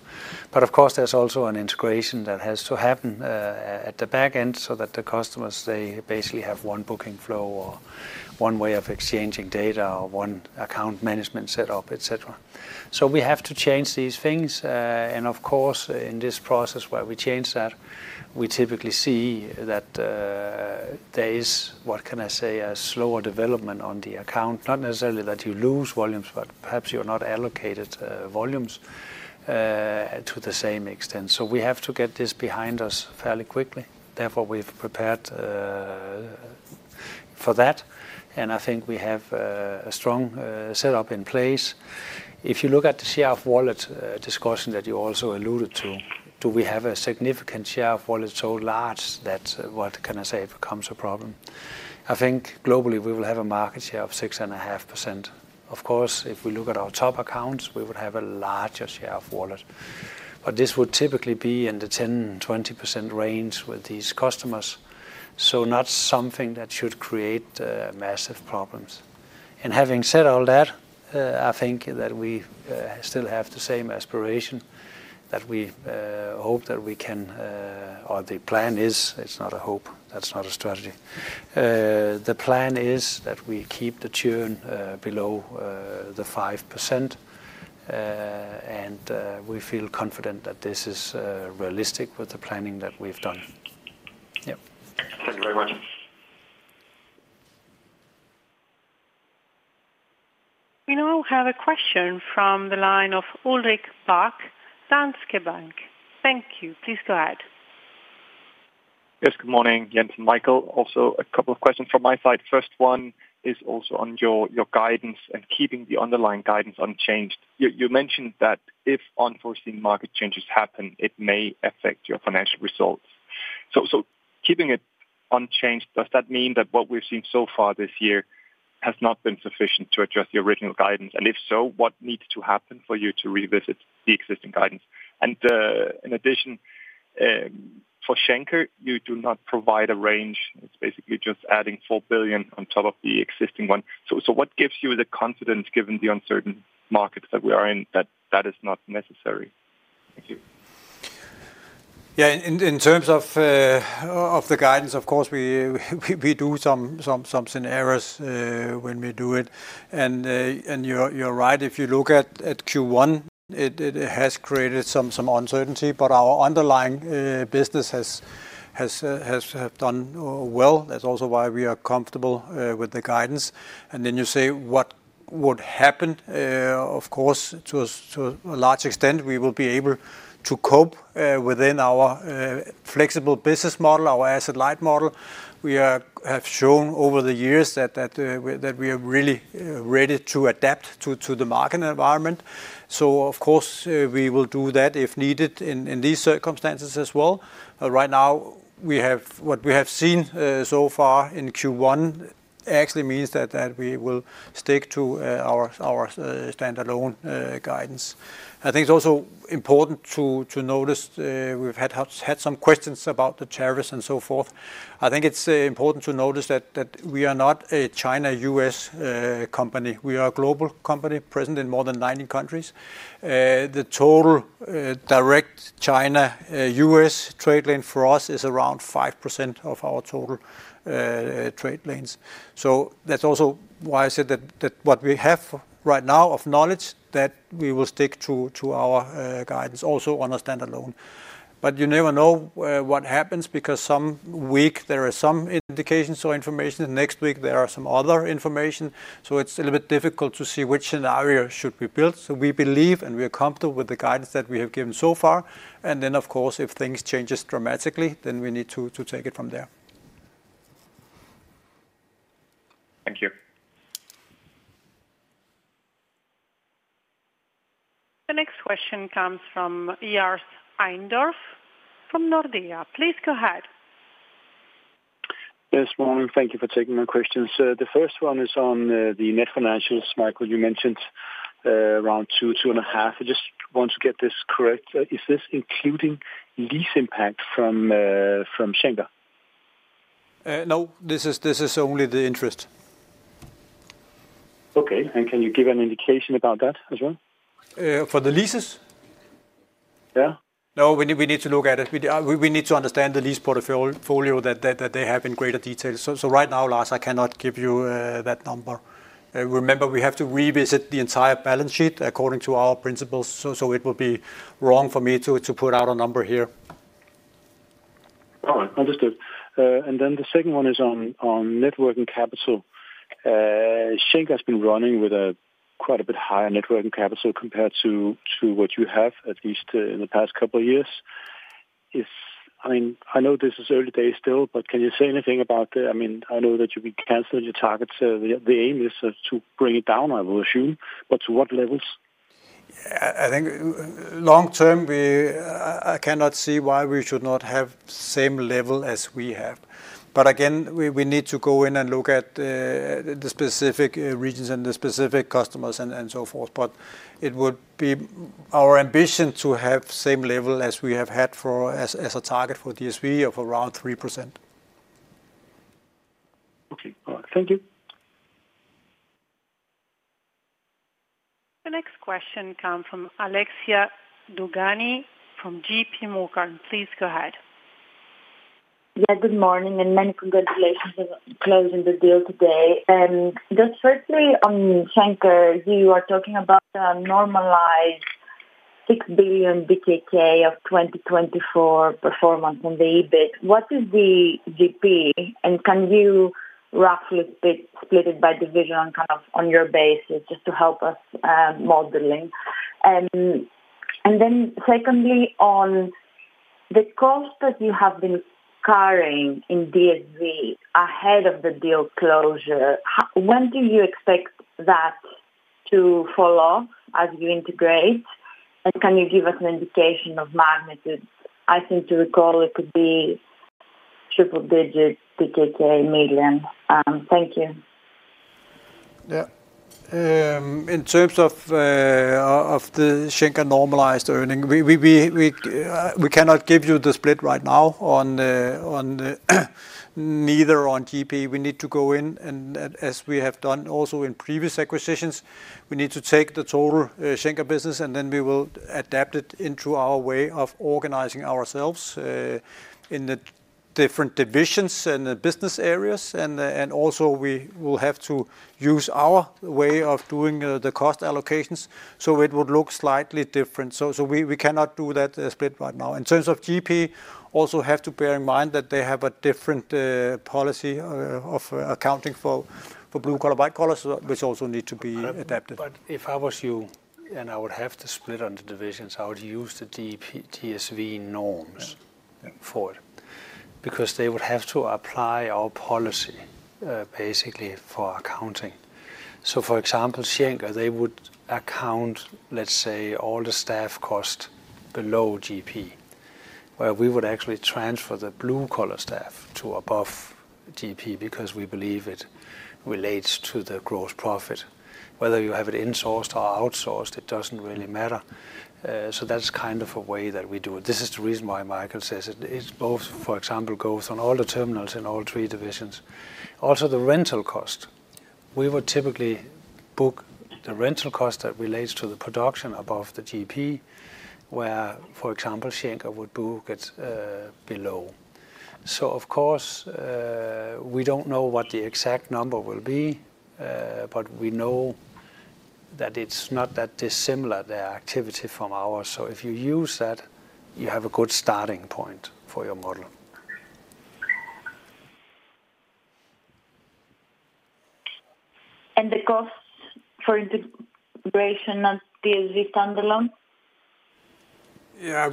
Of course, there's also an integration that has to happen at the back end so that the customers, they basically have one booking flow or one way of exchanging data or one account management setup, etc. We have to change these things. Of course, in this process where we change that, we typically see that there is, what can I say, a slower development on the account, not necessarily that you lose volumes, but perhaps you're not allocated volumes to the same extent. We have to get this behind us fairly quickly. Therefore, we've prepared for that. I think we have a strong setup in place. If you look at the share of wallet discussion that you also alluded to, do we have a significant share of wallet so large that, what can I say, it becomes a problem? I think globally we will have a market share of 6.5%. Of course, if we look at our top accounts, we would have a larger share of wallet. This would typically be in the 10%-20% range with these customers. Not something that should create massive problems. Having said all that, I think that we still have the same aspiration that we hope that we can, or the plan is, it's not a hope. That's not a strategy. The plan is that we keep the churn below the 5%, and we feel confident that this is realistic with the planning that we've done. Yeah. Thank you very much. We now have a question from the line of Ulrik Bak, Danske Bank. Thank you. Please go ahead. Yes. Good morning, Jens and Michael. Also, a couple of questions from my side. First one is also on your guidance and keeping the underlying guidance unchanged. You mentioned that if unforeseen market changes happen, it may affect your financial results. Keeping it unchanged, does that mean that what we've seen so far this year has not been sufficient to address the original guidance? If so, what needs to happen for you to revisit the existing guidance? In addition, for Schenker, you do not provide a range. It's basically just adding 4 billion on top of the existing one. What gives you the confidence, given the uncertain markets that we are in, that that is not necessary? Thank you. Yeah, in terms of the guidance, of course, we do some scenarios when we do it. You're right, if you look at Q1, it has created some uncertainty, but our underlying business has done well. That's also why we are comfortable with the guidance. You say what would happen, of course, to a large extent, we will be able to cope within our flexible business model, our asset light model. We have shown over the years that we are really ready to adapt to the market environment. Of course, we will do that if needed in these circumstances as well. Right now, what we have seen so far in Q1 actually means that we will stick to our standalone guidance. I think it's also important to notice we've had some questions about the tariffs and so forth. I think it's important to notice that we are not a China-U.S. company. We are a global company present in more than 90 countries. The total direct China-U.S. trade lane for us is around 5% of our total trade lanes. That's also why I said that w hat we have right now of knowledge, we will stick to our guidance also on a standalone. You never know what happens because some week there are some indications or information. Next week, there are some other information. It is a little bit difficult to see which scenario should be built. We believe and we are comfortable with the guidance that we have given so far. Of course, if things change dramatically, we need to take it from there. Thank you. The next question comes from Lars Heindorff from Nordea. Please go ahead. Yes. Morning. Thank you for taking my questions. The first one is on the net financials, Michael. You mentioned around 2 million-2.5 million. I just want to get this correct. Is this including lease impact from Schenker? No. This is only the interest. Okay. Can you give an indication about that as well? For the leases? Yeah. No, we need to look at it. We need to understand the lease portfolio that they have in greater detail. Right now, Lars, I cannot give you that number. Remember, we have to revisit the entire balance sheet according to our principles. It would be wrong for me to put out a number here. All right. Understood. The second one is on networking capital. Schenker has been running with quite a bit higher networking capital compared to what you have, at least in the past couple of years. I mean, I know this is early days still, but can you say anything about the, I mean, I know that you've been canceling your targets. The aim is to bring it down, I will assume. To what levels? I think long term, I cannot see why we should not have the same level as we have. Again, we need to go in and look at the specific regions and the specific customers and so forth. It would be our ambition to have the same level as we have had as a target for DSV of around 3%. Okay. Thank you. The next question comes from Alexia Dogani from JPMorgan. Please go ahead. Yeah. Good morning and many congratulations on closing the deal today. Just firstly, on Schenker, you are talking about a normalized 6 billion of 2024 performance on the EBIT. What is the GP? Can you roughly split it by division on your basis just to help us modeling? Secondly, on the cost that you have been carrying in DSV ahead of the deal closure, when do you expect that to fall off as you integrate? Can you give us an indication of magnitude? I think to recall, it could be triple digit million. Thank you. Yeah. In terms of the Schenker normalized earning, we cannot give you the split right now on neither on GP. We need to go in, and as we have done also in previous acquisitions, we need to take the total Schenker business, and then we will adapt it into our way of organizing ourselves in the different divisions and business areas. We will have to use our way of doing the cost allocations. It would look slightly different. We cannot do that split right now. In terms of GP, also have to bear in mind that they have a different policy of accounting for blue collar, white collar, which also need to be adapted. If I was you and I would have to split on the divisions, I would use the DSV norms for it because they would have to apply our policy basically for accounting. For example, Schenker, they would account, let's say, all the staff cost below GP, where we would actually transfer the blue collar staff to above GP because we believe it relates to the gross profit. Whether you have it insourced or outsourced, it doesn't really matter. That is kind of a way that we do it. This is the reason why Michael says it both, for example, goes on all the terminals in all three divisions. Also, the rental cost. We would typically book the rental cost that relates to the production above the GP, where, for example, Schenker would book it below. Of course, we don't know what the exact number will be, but we know that it's not that dissimilar their activity from ours. If you use that, you have a good starting point for your model. And the cost for integration on DSV standalone? Yeah.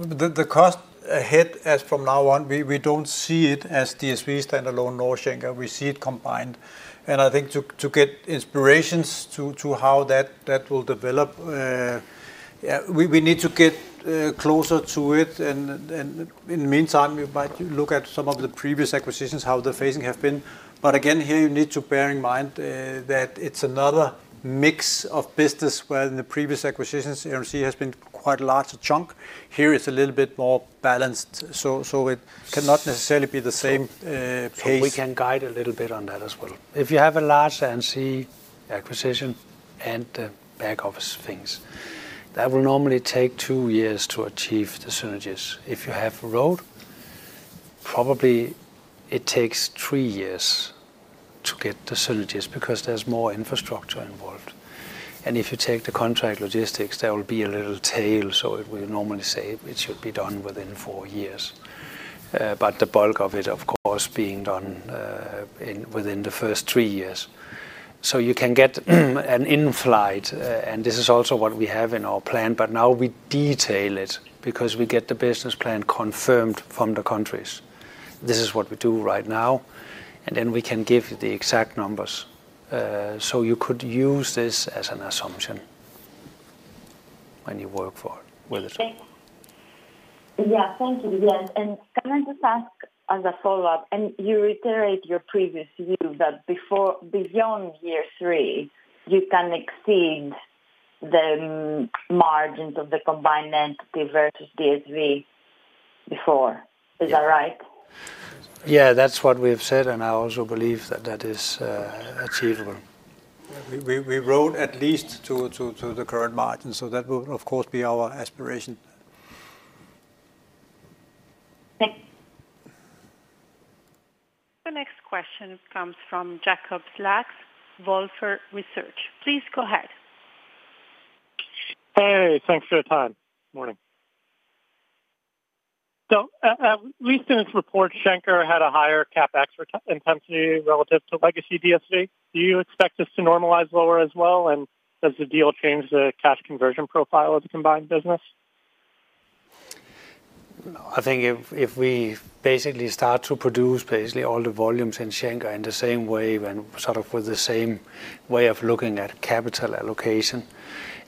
The cost ahead as from now on, we do not see it as DSV standalone nor Schenker. We see it combined. I think to get inspirations to how that will develop, we need to get closer to it. In the meantime, we might look at some of the previous acquisitions, how the phasing has been. Again, here you need to bear in mind that it is another mix of business where in the previous acquisitions, Air & Sea has been quite a large chunk. Here it is a little bit more balanced. It cannot necessarily be the same pace. We can guide a little bit on that as well. If you have a large Air & Sea acquisition and the back office things, that will normally take two years to achieve the synergies. If you have Road, probably it takes three years to get the synergies because there is more infrastructure involved. If you take the contract logistics, there will be a little tail. We normally say it should be done within four years, but the bulk of it, of course, being done within the first three years. You can get an inflight, and this is also what we have in our plan, but now we detail it because we get the business plan confirmed from the countries. This is what we do right now. Then we can give you the exact numbers. You could use this as an assumption when you work with it. Thank you. Yes. Can I just ask as a follow-up? You reiterate your previous view that beyond year three, you can exceed the margins of the combined entity versus DSV before. Is that right? Yeah. That's what we have said, and I also believe that that is achievable. We rode at least to the current margins. That will, of course, be our aspiration. The next question comes from Jacob Lacks, Wolfe Research. Please go ahead. Hey. Thanks for your time. Morning. At least in its report, Schenker had a higher CapEx intensity relative to legacy DSV. Do you expect this to normalize lower as well? Does the deal change the cash conversion profile of the combined business? I think if we basically start to produce basically all the volumes in Schenker in the same way and sort of with the same way of looking at capital allocation,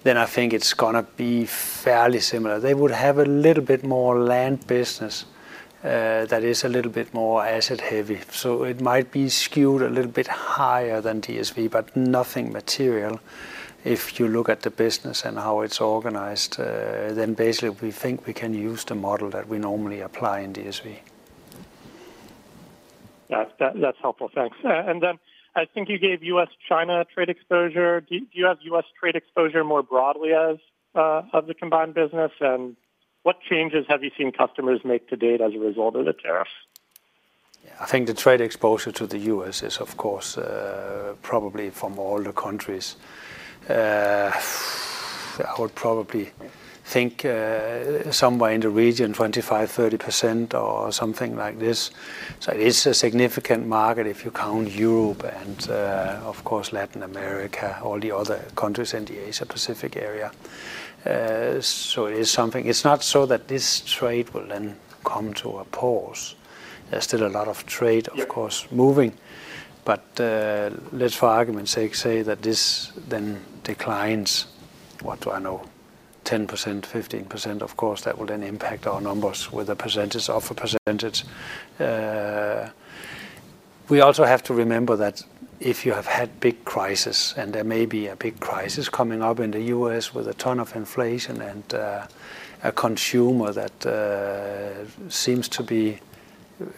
then I think it's going to be fairly similar. They would have a little bit more land business that is a little bit more asset-heavy. It might be skewed a little bit higher than DSV, but nothing material. If you look at the business and how it's organized, then basically we think we can use the model that we normally apply in DSV. That's helpful. Thanks. I think you gave U.S.-China trade exposure. Do you have U.S. trade exposure more broadly as of the combined business? What changes have you seen customers make to date as a result of the tariff? Yeah. I think the trade exposure to the U.S. is, of course, probably from all the countries. I would probably think somewhere in the region, 25%-30% or something like this. It is a significant market if you count Europe and, of course, Latin America, all the other countries in the Asia-Pacific area. It is something. It's not so that this trade will then come to a pause. There's still a lot of trade, of course, moving. Let's, for argument's sake, say that this then declines, what do I know, 10%, 15%. Of course, that will then impact our numbers with the percentage of the percentage. We also have to remember that if you have had big crises, and there may be a big crisis coming up in the U.S. with a ton of inflation and a consumer that seems to be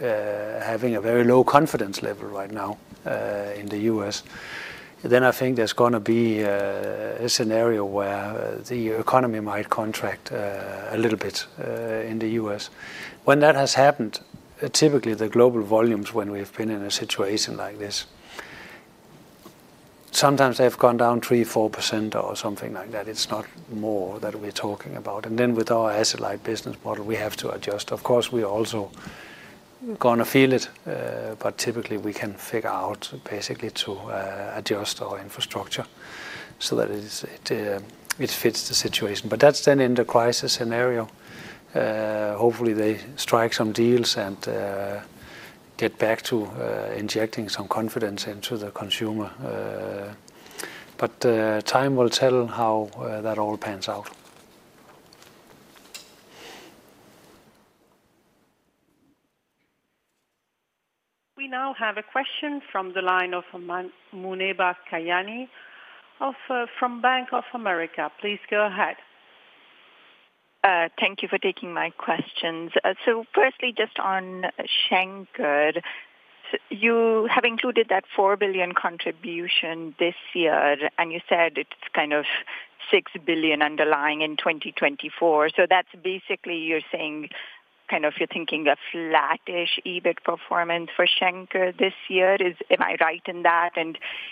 having a very low confidence level right now in the U.S., then I think there's going to be a scenario where the economy might contract a little bit in the U.S. When that has happened, typically the global volumes, when we have been in a situation like this, sometimes they've gone down 3%, 4% or something like that. It's not more that we're talking about. With our asset-light business model, we have to adjust. Of course, we're also going to feel it, but typically we can figure out basically to adjust our infrastructure so that it fits the situation. That's in the crisis scenario. Hopefully, they strike some deals and get back to injecting some confidence into the consumer. Time will tell how that all pans out. We now have a question from the line of Muneeba Kayani from Bank of America. Please go ahead. Thank you for taking my questions. Firstly, just on Schenker, you have included that 4 billion contribution this year, and you said it's kind of 6 billion underlying in 2024. That's basically you're saying kind of you're thinking a flat-ish EBIT performance for Schenker this year. Am I right in that?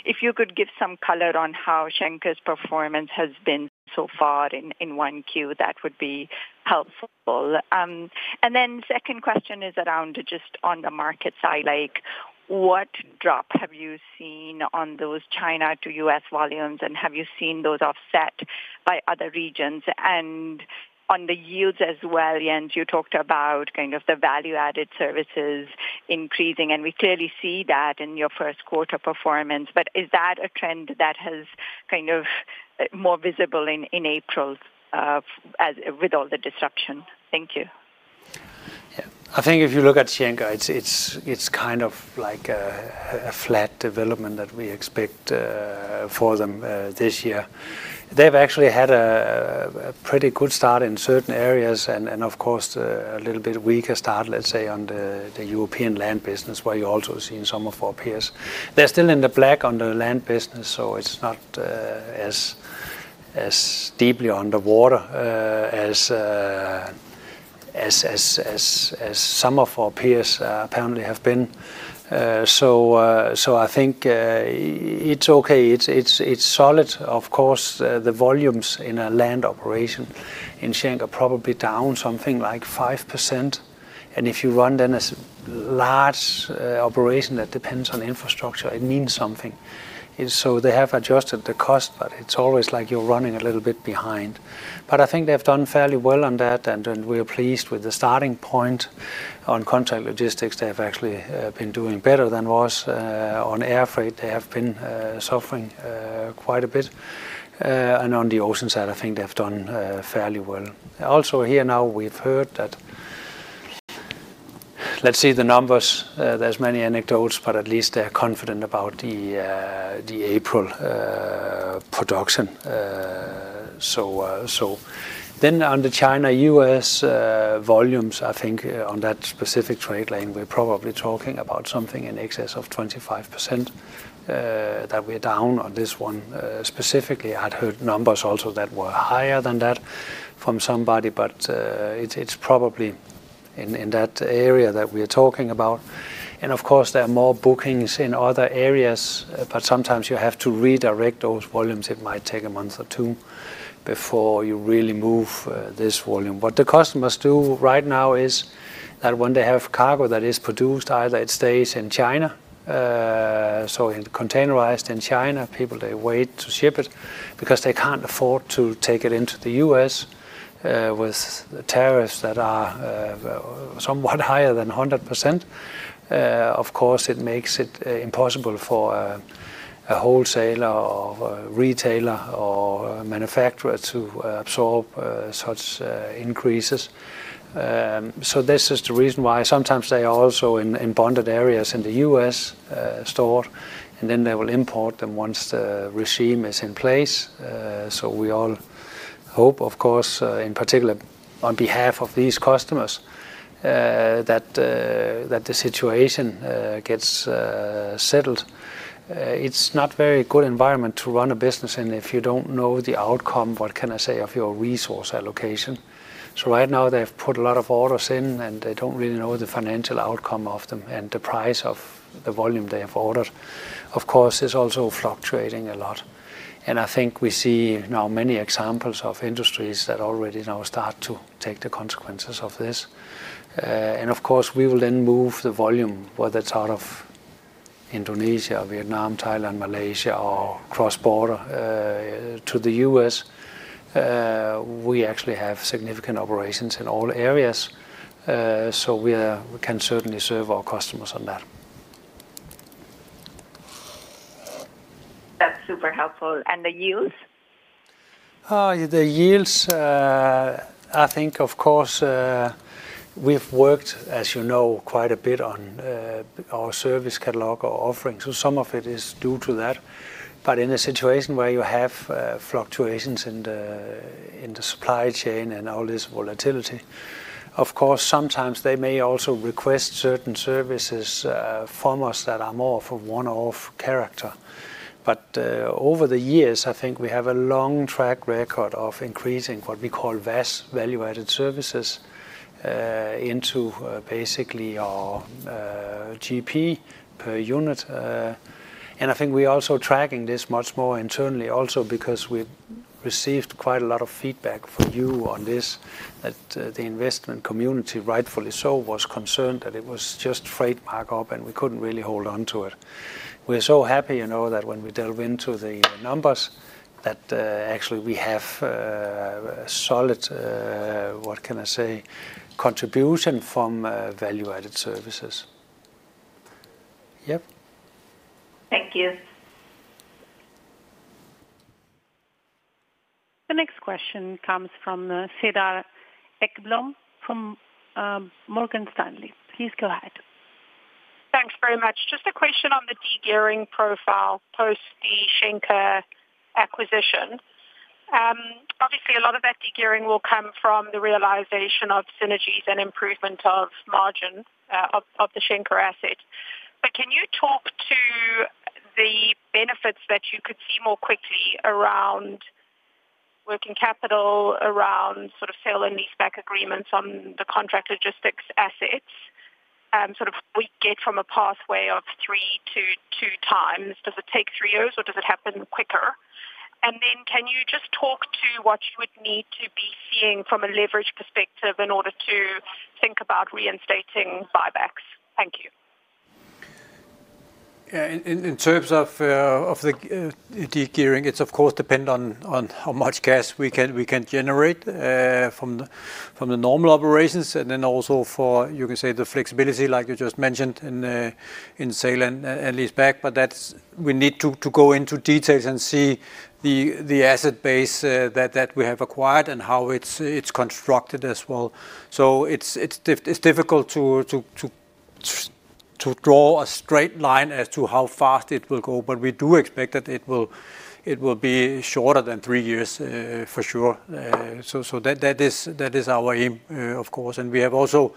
If you could give some color on how Schenker's performance has been so far in 1Q, that would be helpful. The second question is around just on the market side, like what drop have you seen on those China to U.S. volumes, and have you seen those offset by other regions? On the yields as well, Jens, you talked about kind of the value-added services increasing, and we clearly see that in your first quarter performance. Is that a trend that has kind of more visible in April with all the disruption? Thank you. Yeah. I think if you look at Schenker, it's kind of like a flat development that we expect for them this year. They've actually had a pretty good start in certain areas and, of course, a little bit weaker start, let's say, on the European land business, where you're also seeing some of our peers. They're still in the black on the land business, so it's not as deeply underwater as some of our peers apparently have been. I think it's okay. It's solid. Of course, the volumes in a land operation in Schenker are probably down something like 5%. If you run then a large operation that depends on infrastructure, it means something. They have adjusted the cost, but it's always like you're running a little bit behind. I think they've done fairly well on that, and we're pleased with the starting point. On contract logistics, they have actually been doing better than was. On air freight, they have been suffering quite a bit. On the ocean side, I think they've done fairly well. Also here now, we've heard that let's see the numbers. There are many anecdotes, but at least they're confident about the April production. On the China-U.S. volumes, I think on that specific trade lane, we're probably talking about something in excess of 25% that we're down on this one. Specifically, I'd heard numbers also that were higher than that from somebody, but it's probably in that area that we're talking about. Of course, there are more bookings in other areas, but sometimes you have to redirect those volumes. It might take a month or two before you really move this volume. What the customers do right now is that when they have cargo that is produced, either it stays in China. Containerized in China, people, they wait to ship it because they can't afford to take it into the U.S. with tariffs that are somewhat higher than 100%. Of course, it makes it impossible for a wholesaler or retailer or manufacturer to absorb such increases. This is the reason why sometimes they are also in bonded areas in the U.S. stored, and then they will import them once the regime is in place. We all hope, of course, in particular on behalf of these customers, that the situation gets settled. It's not a very good environment to run a business in if you don't know the outcome, what can I say, of your resource allocation. Right now, they've put a lot of orders in, and they don't really know the financial outcome of them and the price of the volume they have ordered. Of course, it's also fluctuating a lot. I think we see now many examples of industries that already now start to take the consequences of this. Of course, we will then move the volume, whether it's out of Indonesia, Vietnam, Thailand, Malaysia, or cross-border to the U.S. We actually have significant operations in all areas, so we can certainly serve our customers on that. That's super helpful. The yields? The yields, I think, of course, we've worked, as you know, quite a bit on our service catalog or offering. Some of it is due to that. In a situation where you have fluctuations in the supply chain and all this volatility, of course, sometimes they may also request certain services from us that are more of a one-off character. Over the years, I think we have a long track record of increasing what we call VAS, value-added services, into basically our GP per unit. I think we're also tracking this much more internally also because we've received quite a lot of feedback from you on this, that the investment community, rightfully so, was concerned that it was just trademark up and we couldn't really hold on to it. We're so happy that when we delve into the numbers, that actually we have solid, what can I say, contribution from value-added services. Yep. Thank you. The next question comes from Cedar Ekblom from Morgan Stanley. Please go ahead. Thanks very much. Just a question on the degearing profile post the Schenker acquisition. Obviously, a lot of that degearing will come from the realization of synergies and improvement of margin of the Schenker asset. Can you talk to the benefits that you could see more quickly around working capital, around sort of sale and lease-back agreements on the contract logistics assets? Sort of we get from a pathway of three to two times. Does it take three years, or does it happen quicker? Can you just talk to what you would need to be seeing from a leverage perspective in order to think about reinstating buybacks? Thank you. Yeah. In terms of the degearing, it, of course, depends on how much cash we can generate from the normal operations. Also, you can say, the flexibility, like you just mentioned, in sale and lease-back. We need to go into details and see the asset base that we have acquired and how it's constructed as well. It is difficult to draw a straight line as to how fast it will go, but we do expect that it will be shorter than three years for sure. That is our aim, of course. We have also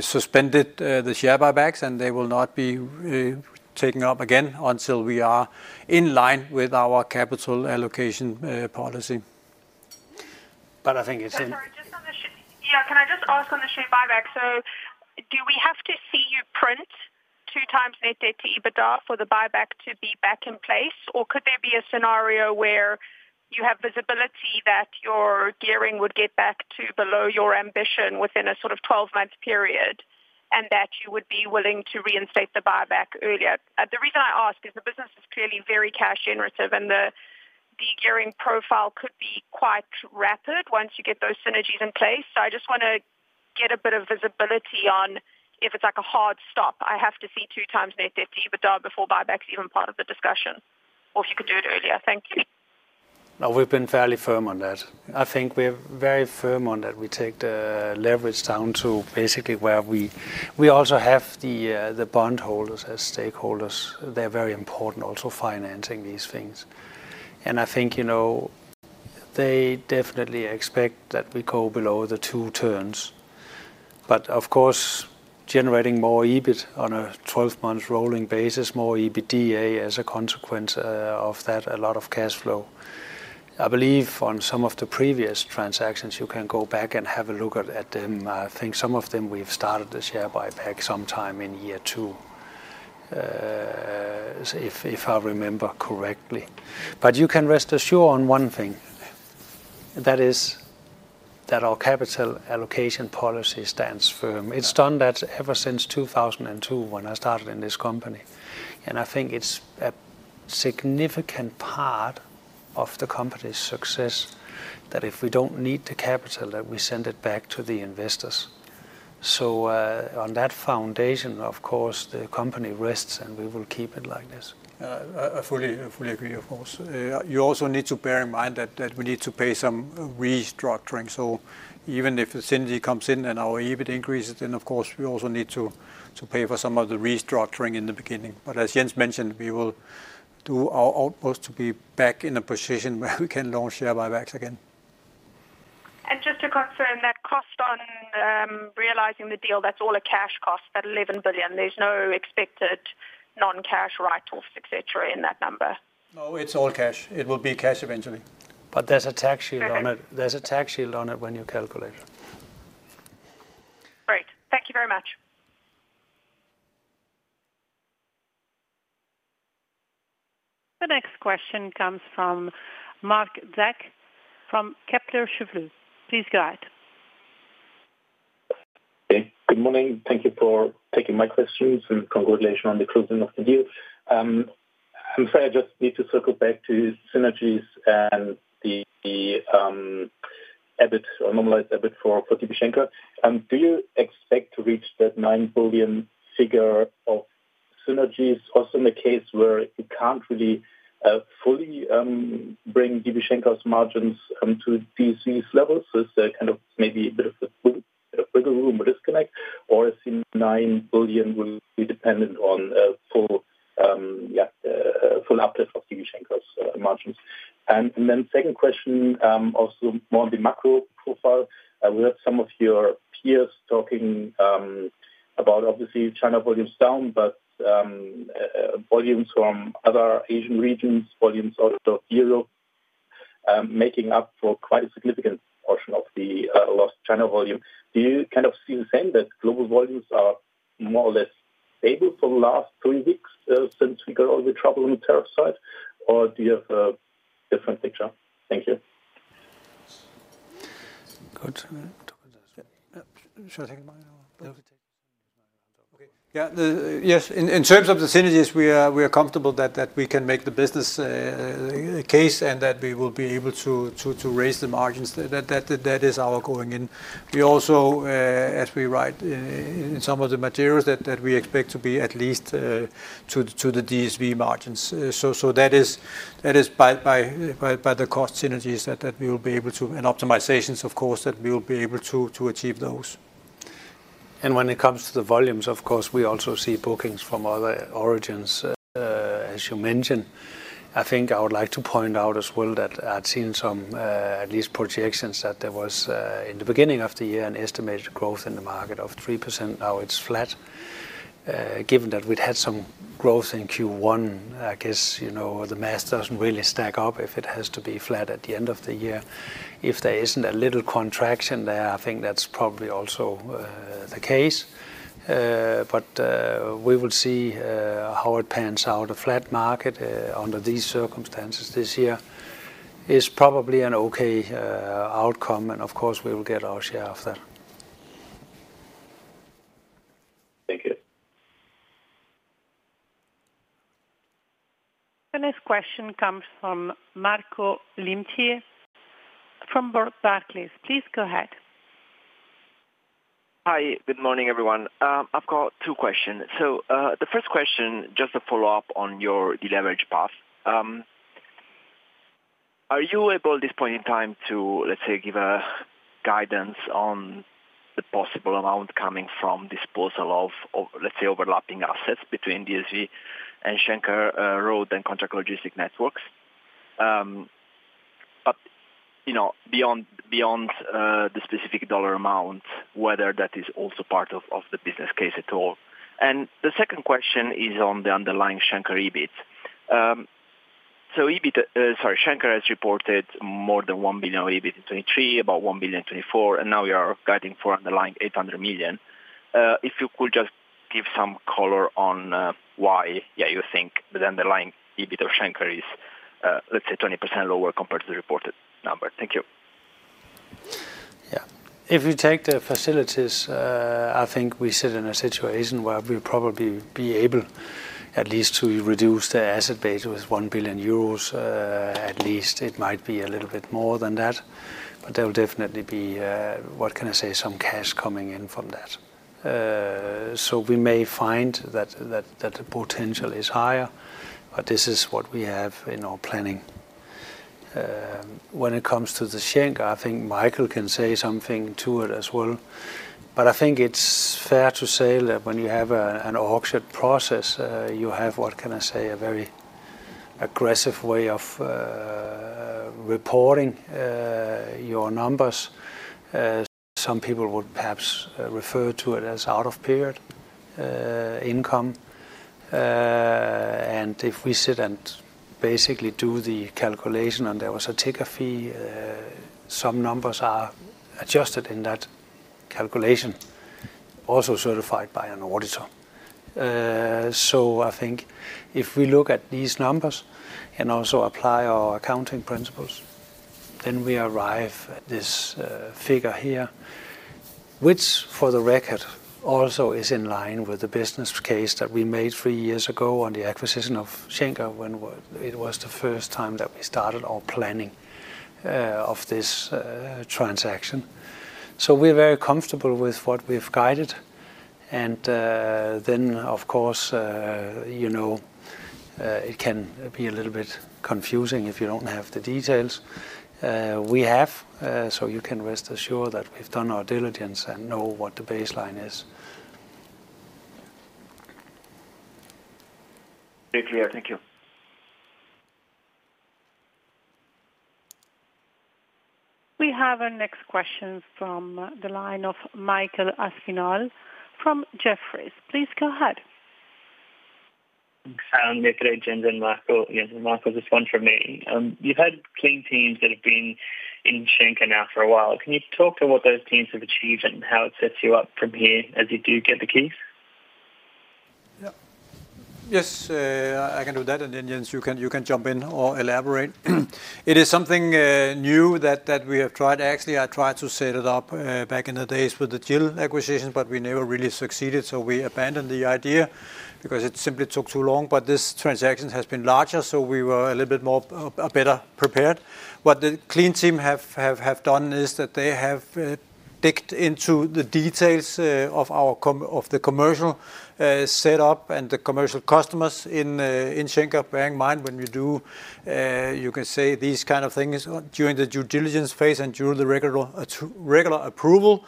suspended the share buybacks, and they will not be taken up again until we are in line with our capital allocation policy. I think it is a— Sorry, just on the— Yeah, can I just ask on the share buyback? Do we have to see you print two times net debt to EBITDA for the buyback to be back in place? Or could there be a scenario where you have visibility that your gearing would get back to below your ambition within a sort of 12-month period and that you would be willing to reinstate the buyback earlier? The reason I ask is the business is clearly very cash-generative, and the degearing profile could be quite rapid once you get those synergies in place. I just want to get a bit of visibility on if it's like a hard stop. I have to see two times net debt to EBITDA before buyback's even part of the discussion, or if you could do it earlier. Thank you. No, we've been fairly firm on that. I think we're very firm on that. We take the leverage down to basically where we also have the bondholders as stakeholders. They're very important also financing these things. I think they definitely expect that we go below the two turns. Of course, generating more EBIT on a 12-month rolling basis, more EBITDA as a consequence of that, a lot of cash flow. I believe on some of the previous transactions, you can go back and have a look at them. I think some of them we've started the share buyback sometime in year two, if I remember correctly. You can rest assured on one thing, that is that our capital allocation policy stands firm. It's done that ever since 2002 when I started in this company. I think it's a significant part of the company's success that if we don't need the capital, that we send it back to the investors. On that foundation, of course, the company rests, and we will keep it like this. I fully agree, of course. You also need to bear in mind that we need to pay some restructuring. Even if the synergy comes in and our EBIT increases, of course, we also need to pay for some of the restructuring in the beginning. As Jens mentioned, we will do our utmost to be back in a position where we can launch share buybacks again. Just to confirm, that cost on realizing the deal, that's all a cash cost, that 11 billion. There's no expected non-cash write-offs, etc., in that number? No, it's all cash. It will be cash eventually. There's a tax shield on it. There's a tax shield on it when you calculate it. Great. Thank you very much. The next question comes from Marc Zeck from Kepler Cheuvreux. Please go ahead. Okay. Good morning. Thank you for taking my questions and congratulations on the closing of the deal. I'm sorry, I just need to circle back to synergies and the EBIT or normalized EBIT for DB Schenker. Do you expect to reach that 9 billion figure of synergies also in a case where you can't really fully bring DB Schenker's margins to these levels? Is there kind of maybe a bit of a bigger room or disconnect, or is the 9 billion will be dependent on full uplift of DB Schenker's margins? My second question, also more on the macro profile. We have some of your peers talking about, obviously, China volumes down, but volumes from other Asian regions, volumes out of Europe making up for quite a significant portion of the lost China volume. Do you kind of see the same that global volumes are more or less stable for the last three weeks since we got all the trouble on the tariff side, or do you have a different picture? Thank you. Should I take my— Okay. Yeah. Yes. In terms of the synergies, we are comfortable that we can make the business case and that we will be able to raise the margins. That is our going in. We also, as we write in some of the materials, that we expect to be at least to the DSV margins. That is by the cost synergies that we will be able to, and optimizations, of course, that we will be able to achieve those. When it comes to the volumes, of course, we also see bookings from other origins, as you mentioned. I think I would like to point out as well that I've seen some, at least projections, that there was, in the beginning of the year, an estimated growth in the market of 3%. Now it's flat. Given that we'd had some growth in Q1, I guess the math doesn't really stack up if it has to be flat at the end of the year. If there isn't a little contraction there, I think that's probably also the case. We will see how it pans out. A flat market under these circumstances this year is probably an okay outcome, and of course, we will get our share of that. Thank you. The next question comes from Marco Limite from Barclays. Please go ahead. Hi. Good morning, everyone. I've got two questions. The first question, just to follow up on your deleveraged path. Are you able, at this point in time, to, let's say, give guidance on the possible amount coming from disposal of, let's say, overlapping assets between DSV and Schenker Road and contract logistic networks? Beyond the specific dollar amount, whether that is also part of the business case at all. The second question is on the underlying Schenker EBIT. Schenker has reported more than $1 billion EBIT in 2023, about $1 billion in 2024, and now you are guiding for underlying $800 million. If you could just give some color on why, yeah, you think the underlying EBIT of Schenker is, let's say, 20% lower compared to the reported number. Thank you. Yeah. If we take the facilities, I think we sit in a situation where we'll probably be able at least to reduce the asset base with 1 billion euros. At least it might be a little bit more than that, but there will definitely be, what can I say, some cash coming in from that. We may find that the potential is higher, but this is what we have in our planning. When it comes to the Schenker, I think Michael can say something to it as well. I think it's fair to say that when you have an orchard process, you have, what can I say, a very aggressive way of reporting your numbers. Some people would perhaps refer to it as out-of-period income. If we sit and basically do the calculation and there was a ticker fee, some numbers are adjusted in that calculation, also certified by an auditor. I think if we look at these numbers and also apply our accounting principles, then we arrive at this figure here, which for the record also is in line with the business case that we made three years ago on the acquisition of Schenker when it was the first time that we started our planning of this transaction. We're very comfortable with what we've guided. Of course, it can be a little bit confusing if you don't have the details. We have, so you can rest assured that we've done our diligence and know what the baseline is. Very clear. Thank you. We have a next question from the line of Michael Aspinall from Jefferies. Please go ahead. Thanks. Hi, Jens and Marco. Jens and Marco, just one from me. You've had clean teams that have been in Schenker now for a while. Can you talk to what those teams have achieved and how it sets you up from here as you do get the keys? Yes. I can do that. Jens, you can jump in or elaborate. It is something new that we have tried. Actually, I tried to set it up back in the days with the DSV acquisition, but we never really succeeded. We abandoned the idea because it simply took too long. This transaction has been larger, so we were a little bit more better prepared. What the clean team have done is that they have dived into the details of the commercial setup and the commercial customers in Schenker. Bearing in mind when you do, you can say, these kind of things during the due diligence phase and during the regular approval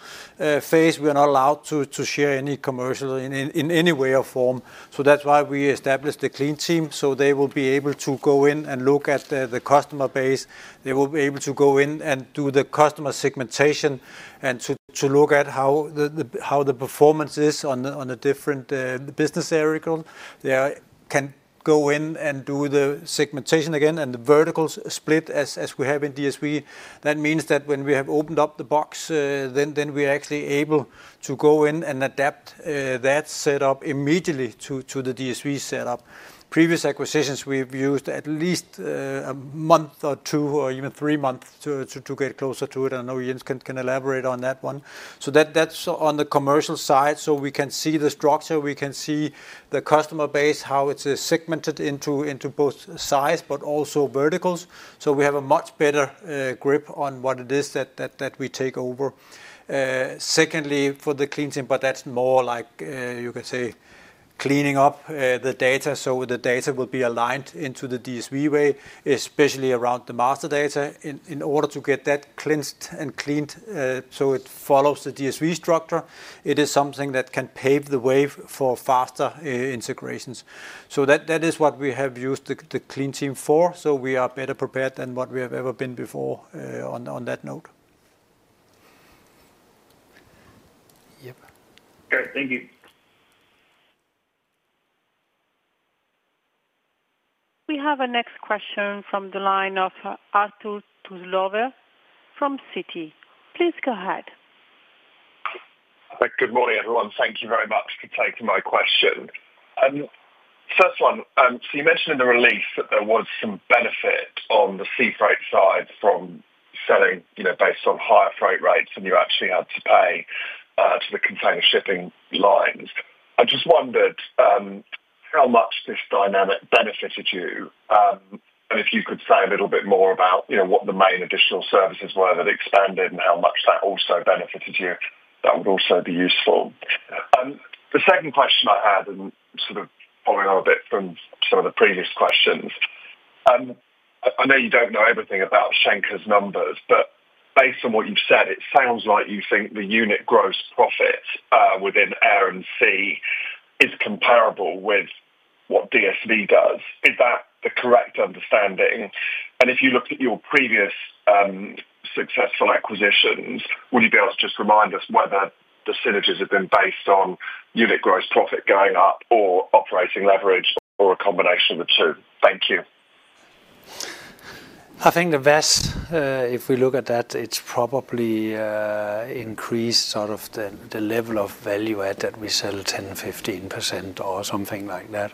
phase, we are not allowed to share any commercial in any way or form. That is why we established the clean team. They will be able to go in and look at the customer base. They will be able to go in and do the customer segmentation and to look at how the performance is on the different business areas. They can go in and do the segmentation again and the vertical split as we have in DSV. That means that when we have opened up the box, then we're actually able to go in and adapt that setup immediately to the DSV setup. Previous acquisitions, we've used at least a month or two or even three months to get closer to it. I know Jens can elaborate on that one. That's on the commercial side. We can see the structure. We can see the customer base, how it's segmented into both size, but also verticals. We have a much better grip on what it is that we take over. Secondly, for the clean team, that's more like, you could say, cleaning up the data. The data will be aligned into the DSV way, especially around the master data in order to get that cleansed and cleaned so it follows the DSV structure. It is something that can pave the way for faster integrations. That is what we have used the clean team for. We are better prepared than what we have ever been before on that note. Yep. Great. Thank you. We have a next question from the line of Arthur Truslove from Citi. Please go ahead. Good morning, everyone. Thank you very much for taking my question. First one, you mentioned in the release that there was some benefit on the sea freight side from selling based on higher freight rates and you actually had to pay to the container shipping lines. I just wondered how much this dynamic benefited you and if you could say a little bit more about what the main additional services were that expanded and how much that also benefited you. That would also be useful. The second question I had, and sort of following on a bit from some of the previous questions, I know you do not know everything about Schenker's numbers, but based on what you have said, it sounds like you think the unit gross profit within Air & Sea is comparable with what DSV does. Is that the correct understanding? If you looked at your previous successful acquisitions, would you be able to just remind us whether the synergies have been based on unit gross profit going up or operating leverage or a combination of the two? Thank you. I think the best, if we look at that, it is probably increased sort of the level of value add that we sell 10%-15% or something like that.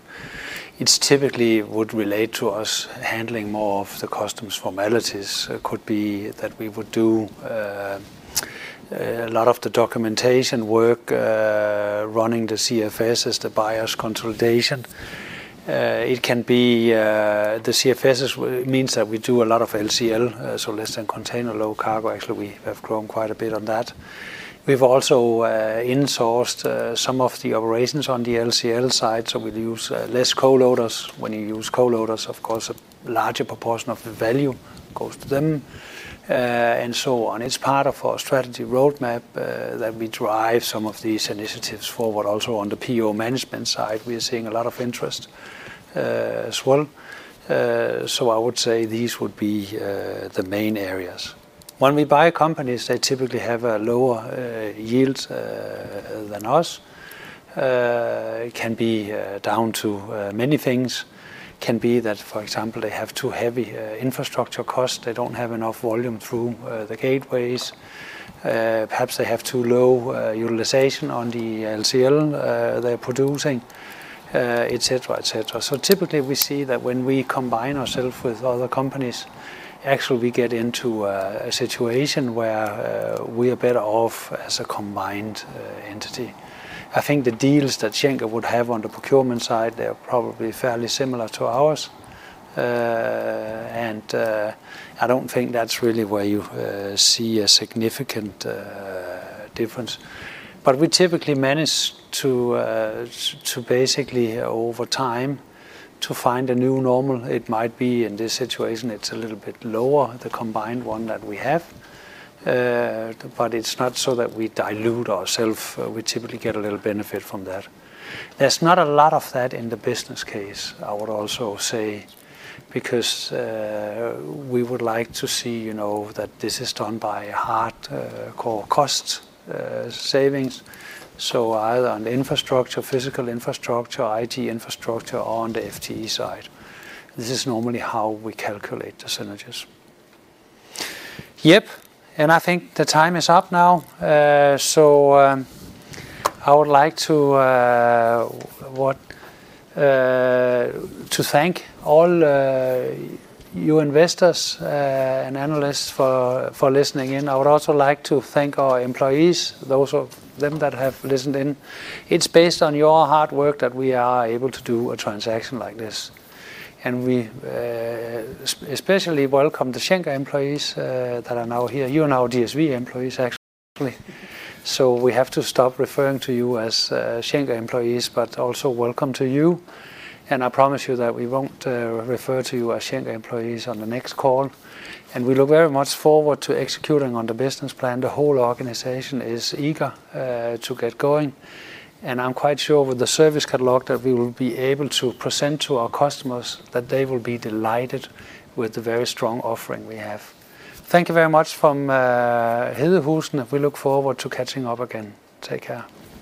It typically would relate to us handling more of the customs formalities. It could be that we would do a lot of the documentation work running the CFS as the buyer's consolidation. It can be the CFS means that we do a lot of LCL, so less than container load cargo. Actually, we have grown quite a bit on that. We have also insourced some of the operations on the LCL side, so we use less co-loaders. When you use co-loaders, of course, a larger proportion of the value goes to them. It is part of our strategy roadmap that we drive some of these initiatives forward. Also on the PO management side, we are seeing a lot of interest as well. I would say these would be the main areas. When we buy companies, they typically have a lower yield than us. It can be down to many things. It can be that, for example, they have too heavy infrastructure costs. They don't have enough volume through the gateways. Perhaps they have too low utilization on the LCL they're producing, etc., etc. Typically, we see that when we combine ourselves with other companies, actually, we get into a situation where we are better off as a combined entity. I think the deals that Schenker would have on the procurement side, they're probably fairly similar to ours. I don't think that's really where you see a significant difference. We typically manage to basically, over time, find a new normal. It might be in this situation, it's a little bit lower, the combined one that we have. It's not so that we dilute ourselves. We typically get a little benefit from that. There's not a lot of that in the business case, I would also say, because we would like to see that this is done by hardcore cost savings. Either on infrastructure, physical infrastructure, IT infrastructure, or on the FTE side. This is normally how we calculate the synergies. Yep. I think the time is up now. I would like to thank all you investors and analysts for listening in. I would also like to thank our employees, those of them that have listened in. It's based on your hard work that we are able to do a transaction like this. We especially welcome the Schenker employees that are now here. You are now DSV employees, actually. We have to stop referring to you as Schenker employees, but also welcome to you. I promise you that we won't refer to you as Schenker employees on the next call. We look very much forward to executing on the business plan. The whole organization is eager to get going. I am quite sure with the service catalog that we will be able to present to our customers that they will be delighted with the very strong offering we have. Thank you very much from Hedehusene. We look forward to catching up again. Take care.